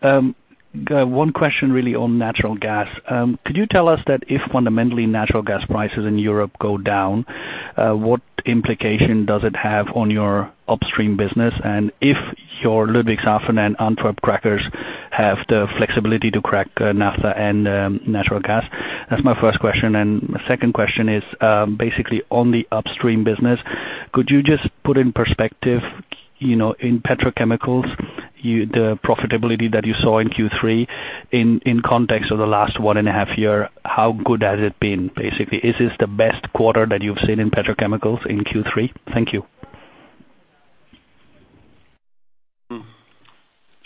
One question really on natural gas. Could you tell us that if fundamentally natural gas prices in Europe go down, what implication does it have on your upstream business? And if your Ludwigshafen and Antwerp crackers have the flexibility to crack naphtha and natural gas? That's my first question. And my second question is basically on the upstream business. Could you just put in perspective, you know, in petrochemicals, you the profitability that you saw in Q3 in context of the last one and a half year, how good has it been, basically? Is this the best quarter that you've seen in petrochemicals in Q3? Thank you.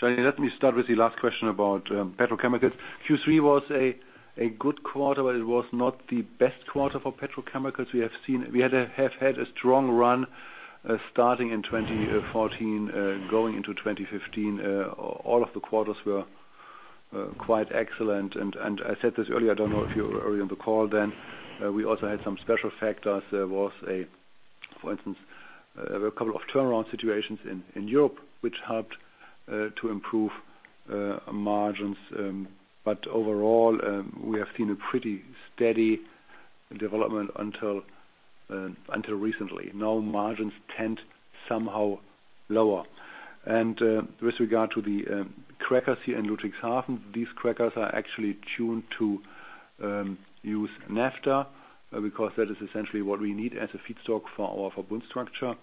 Let me start with the last question about petrochemicals. Q3 was a good quarter, but it was not the best quarter for petrochemicals. We have had a strong run starting in 2014 going into 2015. All of the quarters were quite excellent. I said this earlier. I don't know if you were earlier on the call then. We also had some special factors. There was, for instance, a couple of turnaround situations in Europe which helped to improve margins. But overall, we have seen a pretty steady development until recently. Now margins tend somehow lower. With regard to the crackers here in Ludwigshafen, these crackers are actually tuned to use naphtha because that is essentially what we need as a feedstock for our Verbund structure.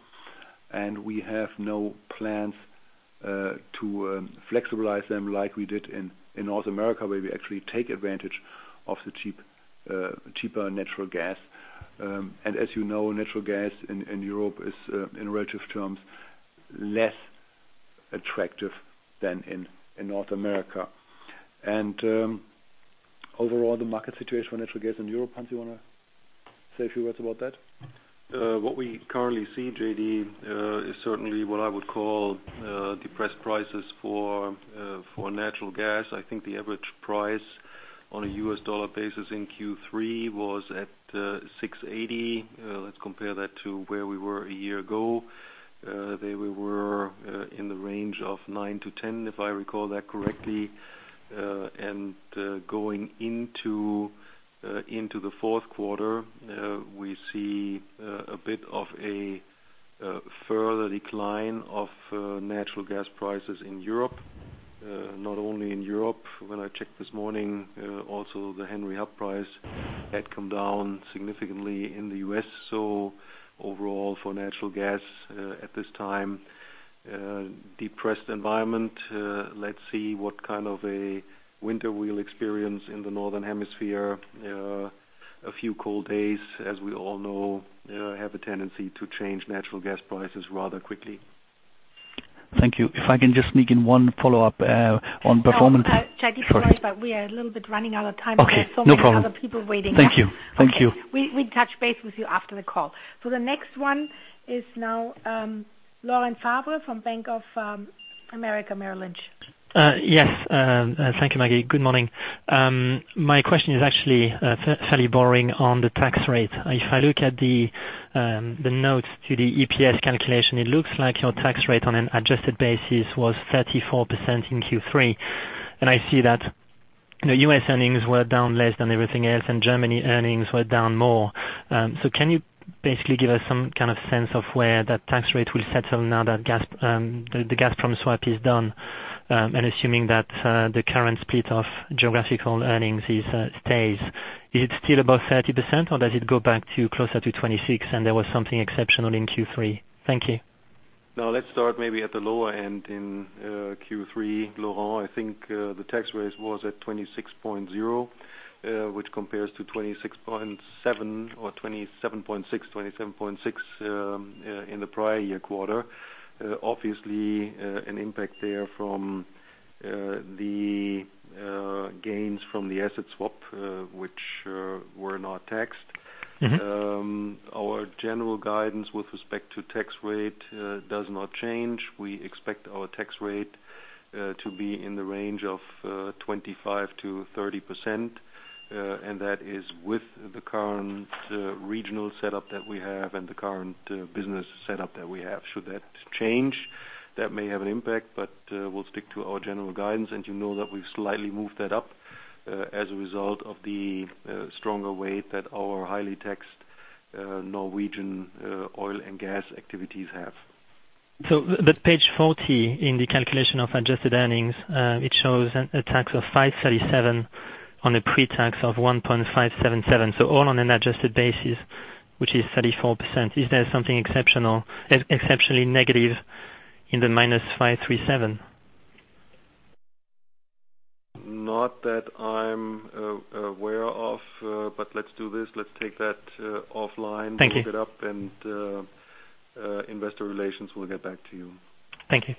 We have no plans to flexibilize them like we did in North America, where we actually take advantage of the cheaper natural gas. As you know, natural gas in Europe is in relative terms less attractive than in North America. Overall, the market situation for natural gas in Europe, Hans, you wanna say a few words about that? What we currently see, Jaideep, is certainly what I would call depressed prices for natural gas. I think the average price on a U.S. dollar basis in Q3 was at $6.80. Let's compare that to where we were a year ago. There we were in the range of nine to 10, if I recall that correctly. Going into the fourth quarter, we see a bit of a further decline of natural gas prices in Europe. Not only in Europe, when I checked this morning, also the Henry Hub price had come down significantly in the U.S. Overall for natural gas, at this time depressed environment, let's see what kind of a winter we'll experience in the northern hemisphere. A few cold days, as we all know, have a tendency to change natural gas prices rather quickly. Thank you. If I can just sneak in one follow-up on performance. Oh, Jaideep, sorry, but we are a little bit running out of time. Okay, no problem. There are so many other people waiting. Thank you. Thank you. Okay. We touch base with you after the call. The next one is now, Laurent Favre from Bank of America Merrill Lynch. Yes. Thank you, Maggie. Good morning. My question is actually fairly boring on the tax rate. If I look at the notes to the EPS calculation, it looks like your tax rate on an adjusted basis was 34% in Q3. I see that, you know, U.S. earnings were down less than everything else, and Germany earnings were down more. Can you basically give us some kind of sense of where that tax rate will settle now that the Gazprom swap is done, and assuming that the current split of geographical earnings stays. Is it still above 30%, or does it go back to closer to 26% and there was something exceptional in Q3? Thank you. No, let's start maybe at the lower end in Q3. Laurent, I think, the tax rate was at 26.0%, which compares to 26.7% or 27.6%. 27.6% in the prior year quarter. Obviously, an impact there from the gains from the asset swap, which were not taxed. Our general guidance with respect to tax rate does not change. We expect our tax rate to be in the range of 25%-30%. That is with the current regional setup that we have and the current business setup that we have. Should that change, that may have an impact, but we'll stick to our general guidance, and you know that we've slightly moved that up as a result of the stronger weight that our highly taxed Norwegian oil and gas activities have. Page 40 in the calculation of adjusted earnings, it shows a tax of 537 on a pre-tax of 1,577. All on an adjusted basis, which is 34%. Is there something exceptional, exceptionally negative in the -537? Not that I'm aware of, but let's do this. Let's take that offline. Thank you. Look it up and, investor relations will get back to you. Thank you.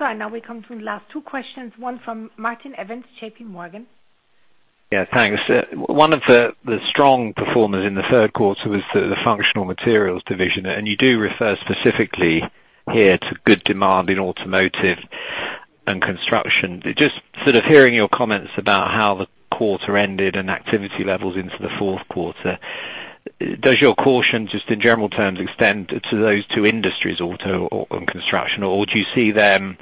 Now we come to the last two questions, one from Martin Evans, JPMorgan. Yeah, thanks. One of the strong performers in the third quarter was the functional materials division, and you do refer specifically here to good demand in automotive and construction. Just sort of hearing your comments about how the quarter ended and activity levels into the fourth quarter, does your caution just in general terms extend to those two industries, auto and construction? Or do you see them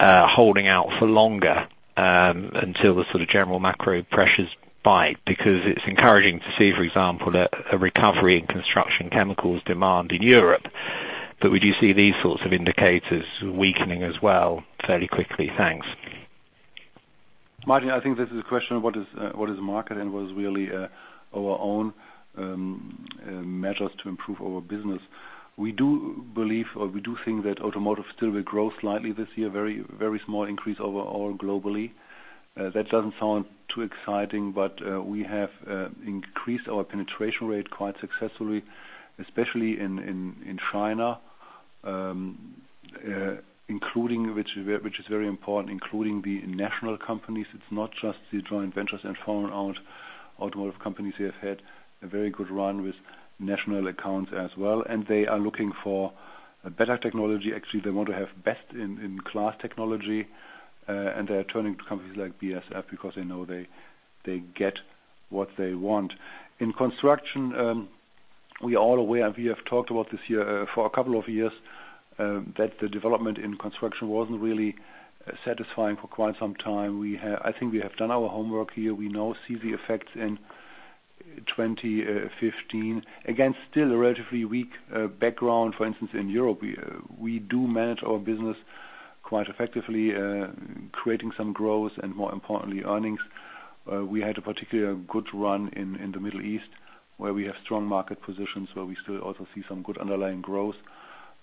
holding out for longer until the sort of general macro pressures bite? Because it's encouraging to see, for example, a recovery in construction chemicals demand in Europe, but we do see these sorts of indicators weakening as well very quickly. Thanks. Martin, I think this is a question of what is the market and what is really our own measures to improve our business. We do believe or we do think that automotive still will grow slightly this year, very small increase overall globally. That doesn't sound too exciting, but we have increased our penetration rate quite successfully, especially in China, including, which is very important, including the national companies. It's not just the joint ventures and foreign-owned automotive companies. They have had a very good run with national accounts as well, and they are looking for a better technology. Actually, they want to have best in class technology. And they are turning to companies like BASF because they know they get what they want. In construction, we are all aware, we have talked about this here for a couple of years, that the development in construction wasn't really satisfying for quite some time. I think we have done our homework here. We now see the effects in 2015. Again, still a relatively weak background, for instance, in Europe. We do manage our business quite effectively, creating some growth and more importantly, earnings. We had a particularly good run in the Middle East, where we have strong market positions, where we still also see some good underlying growth.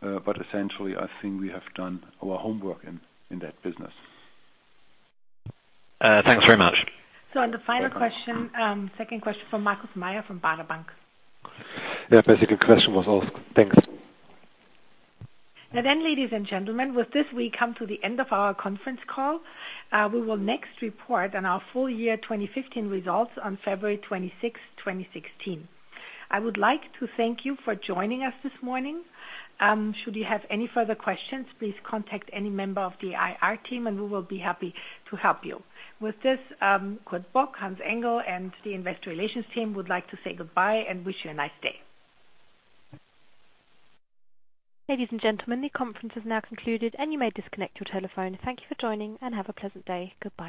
Essentially, I think we have done our homework in that business. Thanks very much. The final question, second question from Markus Mayer from Baader Bank. Yeah, basic question was asked. Thanks. Now then, ladies and gentlemen, with this, we come to the end of our conference call. We will next report on our full year 2015 results on February 26th, 2016. I would like to thank you for joining us this morning. Should you have any further questions, please contact any member of the IR team, and we will be happy to help you. With this, Kurt Bock, Hans-Ulrich Engel, and the Investor Relations team would like to say goodbye and wish you a nice day. Ladies and gentlemen, the conference is now concluded and you may disconnect your telephone. Thank you for joining, and have a pleasant day. Goodbye.